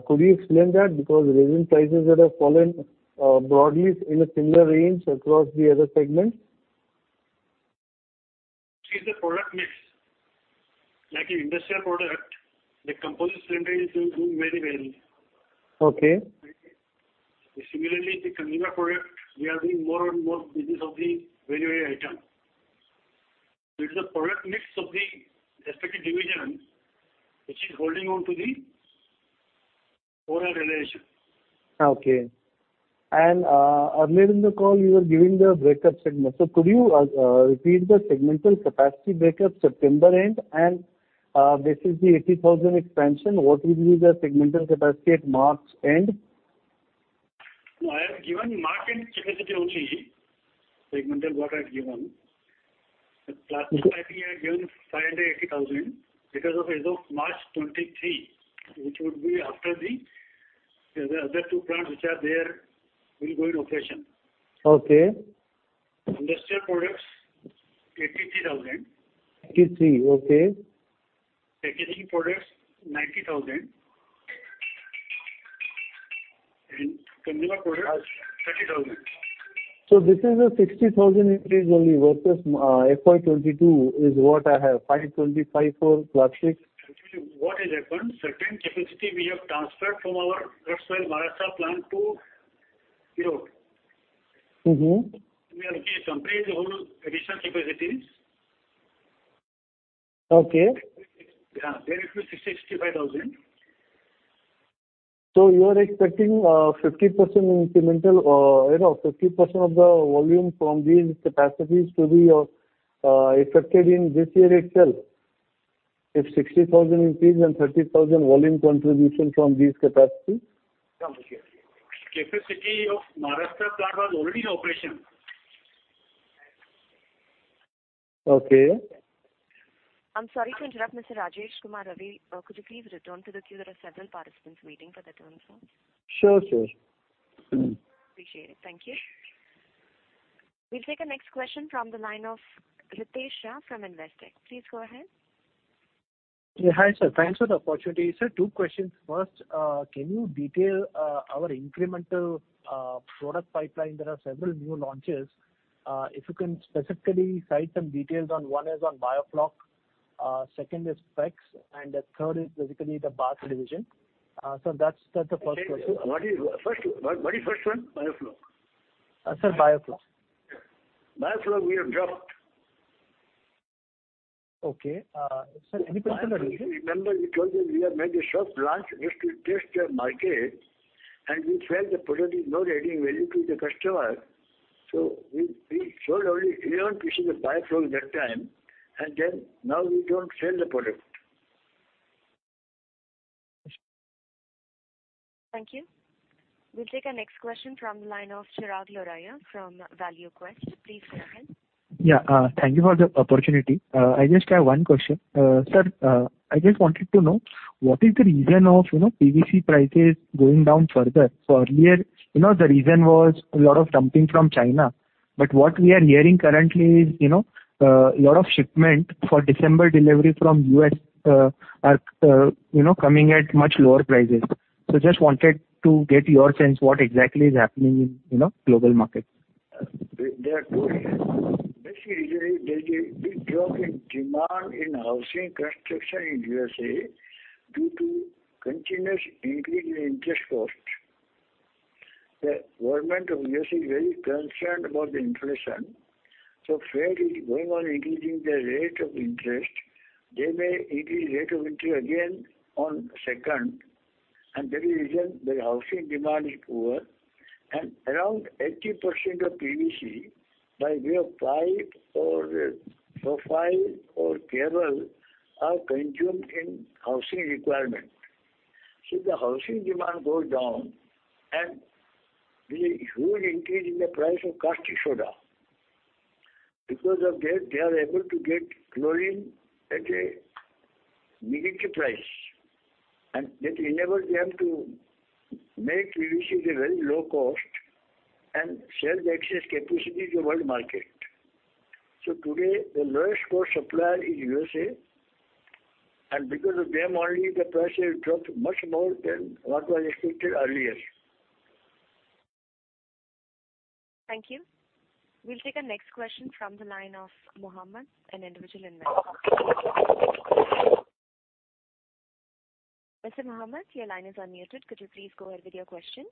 [SPEAKER 15] Could you explain that? Because resin prices that have fallen broadly in a similar range across the other segments.
[SPEAKER 5] It's the product mix. Like in industrial product, the composite segment is doing very well.
[SPEAKER 15] Okay.
[SPEAKER 5] Similarly, the consumer product, we are doing more and more business of the value item. It's the product mix of the respective division which is holding on to the overall realization.
[SPEAKER 15] Okay. Earlier in the call you were giving the breakup segment. Could you repeat the segmental capacity breakup September end? This is the 80,000 expansion. What will be the segmental capacity at March end?
[SPEAKER 5] I have given March end capacity also, segmental, what I've given. Plastic, I think I have given 580,000 because, as of March 2023, which would be after the other two plants which are there will go in operation.
[SPEAKER 15] Okay.
[SPEAKER 5] Industrial products, 83,000.
[SPEAKER 15] 83. Okay.
[SPEAKER 5] Packaging products, 90,000. In Kandla port, 30,000.
[SPEAKER 15] This is a 60,000 increase only versus FY 2022, which is what I have, 5,254 + 6.
[SPEAKER 5] Actually, what has happened, certain capacity we have transferred from our Ratnagiri, Maharashtra plant to Gujarat. We are comparing the whole additional capacities.
[SPEAKER 15] Okay.
[SPEAKER 5] Yeah. There it will be INR 65,000.
[SPEAKER 15] You are expecting 50% incremental, you know, 50% of the volume from these capacities to be affected in this year itself? If 60,000 increase and 30,000 volume contribution from these capacities.
[SPEAKER 5] Capacity of Maharashtra plant was already in operation.
[SPEAKER 15] Okay.
[SPEAKER 1] I'm sorry to interrupt, Mr. Rajesh Kumar Ravi. Could you please return to the queue? There are several participants waiting for their turn, sir.
[SPEAKER 15] Sure, sure.
[SPEAKER 1] Appreciate it. Thank you. We'll take our next question from the line of Ritesh Shah from Investec. Please go ahead.
[SPEAKER 16] Yeah. Hi, sir. Thanks for the opportunity. Sir, two questions. First, can you detail our incremental product pipeline? There are several new launches. If you can specifically cite some details. One is on Biofloc, second is PEX, and the third is basically the Plastic Piping System. So that's the first question.
[SPEAKER 3] What is first one?
[SPEAKER 5] Biofloc.
[SPEAKER 16] Sir, Biofloc.
[SPEAKER 3] Biofloc, we have dropped.
[SPEAKER 16] Okay. Sir, any particular reason?
[SPEAKER 3] Remember we told you we have made a soft launch just to test the market, and we felt the product is not adding value to the customer. We sold only 11 pieces of Biofloc that time, and then now we don't sell the product.
[SPEAKER 1] Thank you. We'll take our next question from the line of Chirag Lodaya from ValueQuest. Please go ahead.
[SPEAKER 17] Yeah. Thank you for the opportunity. I just have one question. Sir, I just wanted to know, what is the reason of, you know, PVC prices going down further? Earlier, you know, the reason was a lot of dumping from China. But what we are hearing currently is, you know, lot of shipment for December delivery from U.S., are, you know, coming at much lower prices. Just wanted to get your sense what exactly is happening in, you know, global market.
[SPEAKER 3] There are two reasons. Basically, there's a big drop in demand in housing construction in U.S. due to continuous increase in interest cost. The government of U.S. is very concerned about the inflation, so Fed is going on increasing the rate of interest. They may increase rate of interest again on second, and that is the reason the housing demand is poor. Around 80% of PVC by way of pipe or profile or cable are consumed in housing requirement. If the housing demand goes down and there's a huge increase in the price of caustic soda, because of that, they are able to get chlorine at a negative price, and that enables them to make PVC at a very low cost and sell the excess capacity to world market. Today the lowest cost supplier is USA, and because of them only the price has dropped much more than what was expected earlier.
[SPEAKER 1] Thank you. We'll take our next question from the line of Mohammed, an individual investor. Mr. Mohammed, your line is unmuted. Could you please go ahead with your question?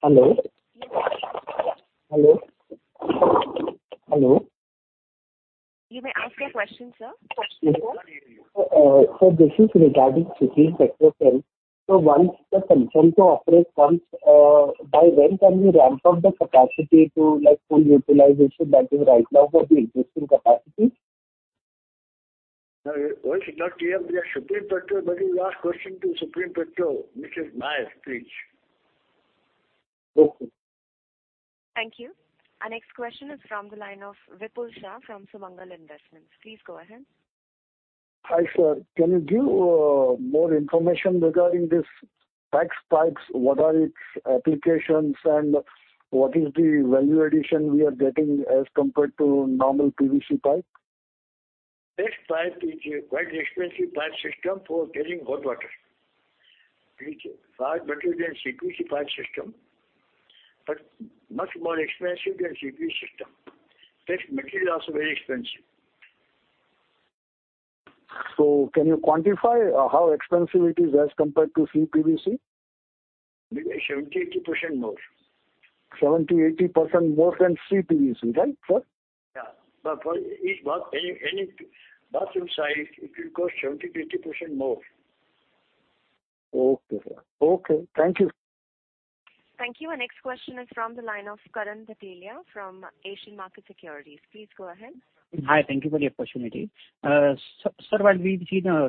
[SPEAKER 18] Hello?
[SPEAKER 1] You may ask your question, sir.
[SPEAKER 18] Sir, this is regarding Supreme Petrochem. Once the consent to operate comes, by when can we ramp up the capacity to, like, full utilization that is right now for the existing capacity?
[SPEAKER 3] No, we're not clear. We are Supreme Petrochem, but you ask question to Supreme Petrochem, which is Nayyar, please.
[SPEAKER 18] Okay.
[SPEAKER 1] Thank you. Our next question is from the line of Vipul Shah from Sumangal Investments. Please go ahead.
[SPEAKER 19] Hi, sir. Can you give more information regarding this PEX pipes? What are its applications and what is the value addition we are getting as compared to normal PVC pipe?
[SPEAKER 3] PEX pipe is quite expensive pipe system for carrying hot water. It's far better than CPVC pipe system, but much more expensive than CP system. PEX material is also very expensive.
[SPEAKER 19] So can you quantify how expensive it is as compared to CPVC?
[SPEAKER 3] 70%-80% more.
[SPEAKER 19] 70%-80% more than CPVC. Right, sir?
[SPEAKER 3] Yeah. But for any bathroom size, it will cost 70%-80% more.
[SPEAKER 19] Okay, sir. Okay, thank you.
[SPEAKER 1] Thank you. Our next question is from the line of Karan Bhatelia from Asian Markets Securities. Please go ahead.
[SPEAKER 20] Hi. Thank you for the opportunity. Sir, while we've seen a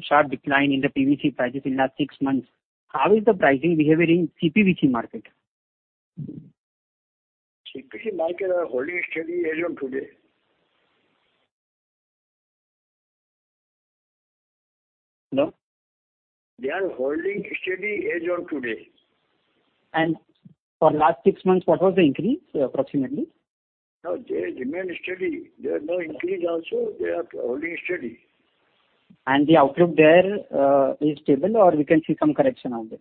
[SPEAKER 20] sharp decline in the PVC prices in last six months, how is the pricing behavior in CPVC market?
[SPEAKER 3] CPVC market is holding steady as on today.
[SPEAKER 20] Hello?
[SPEAKER 3] They are holding steady as on today.
[SPEAKER 20] For last six months, what was the increase approximately?
[SPEAKER 3] No, they remain steady. There are no increase also. They are holding steady.
[SPEAKER 20] The outlook there is stable or we can see some correction on this?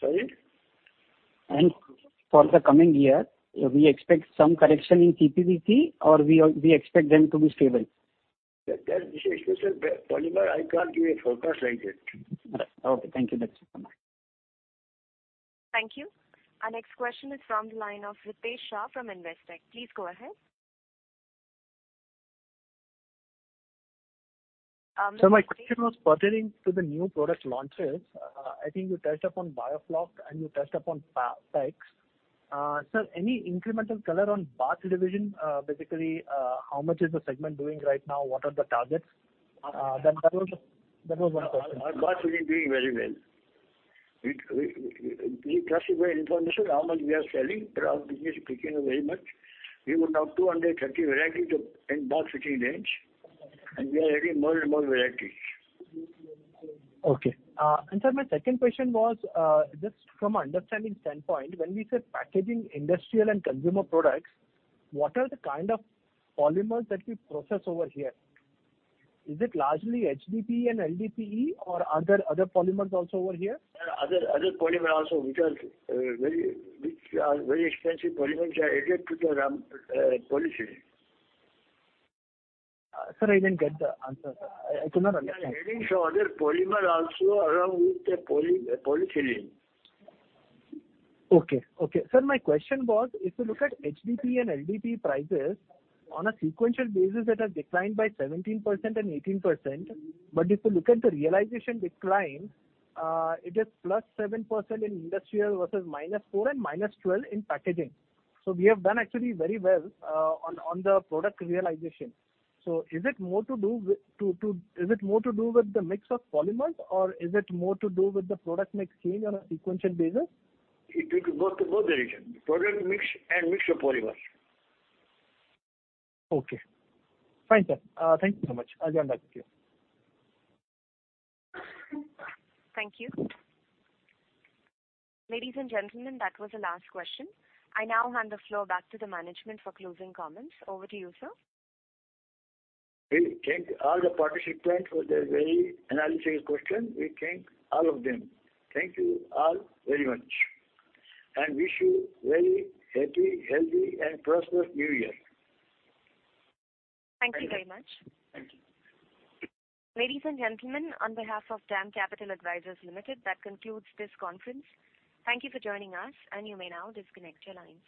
[SPEAKER 3] Sorry?
[SPEAKER 20] For the coming year, we expect some correction in CPVC or we expect them to be stable?
[SPEAKER 3] That is a polymer. I can't give a forecast like that.
[SPEAKER 20] All right. Okay. Thank you. That's it. Bye-bye.
[SPEAKER 1] Thank you. Our next question is from the line of Ritesh Shah from Investec. Please go ahead.
[SPEAKER 16] Um- My question was pertaining to the new product launches. I think you touched upon Biofloc and you touched upon PEX. Any incremental color on bath division, basically, how much is the segment doing right now? What are the targets? That was my question.
[SPEAKER 3] Our bath division is doing very well. We classify information how much we are selling. Our business is picking up very much. We would have 230 varieties in bath fitting range, and we are adding more and more variety.
[SPEAKER 16] Okay. Sir, my second question was, just from understanding standpoint, when we say packaging industrial and consumer products, what are the kind of polymers that we process over here? Is it largely HDPE and LDPE or other polymers also over here?
[SPEAKER 3] Other polymer also which are very expensive polymers are added to the poly filling.
[SPEAKER 16] Sir, I didn't get the answer. I could not understand.
[SPEAKER 3] We are adding some other polymer also along with the poly filling.
[SPEAKER 16] Sir, my question was, if you look at HDPE and LDPE prices, on a sequential basis, it has declined by 17% and 18%. But if you look at the realization decline, it is +7% in industrial versus -4% and -12% in packaging. We have done actually very well on the product realization. Is it more to do with the mix of polymers or is it more to do with the product mix change on a sequential basis?
[SPEAKER 3] It goes to both the reason. Product mix and mix of polymers.
[SPEAKER 16] Okay. Fine, sir. Thank you so much. I'll be in touch with you.
[SPEAKER 1] Thank you. Ladies and gentlemen, that was the last question. I now hand the floor back to the management for closing comments. Over to you, sir.
[SPEAKER 3] We thank all the participants for their very analytical question. We thank all of them. Thank you all very much, and wish you very happy, healthy and prosperous New Year.
[SPEAKER 1] Thank you very much.
[SPEAKER 3] Thank you.
[SPEAKER 1] Ladies and gentlemen, on behalf of DAM Capital Advisors Limited, that concludes this conference. Thank you for joining us, and you may now disconnect your lines.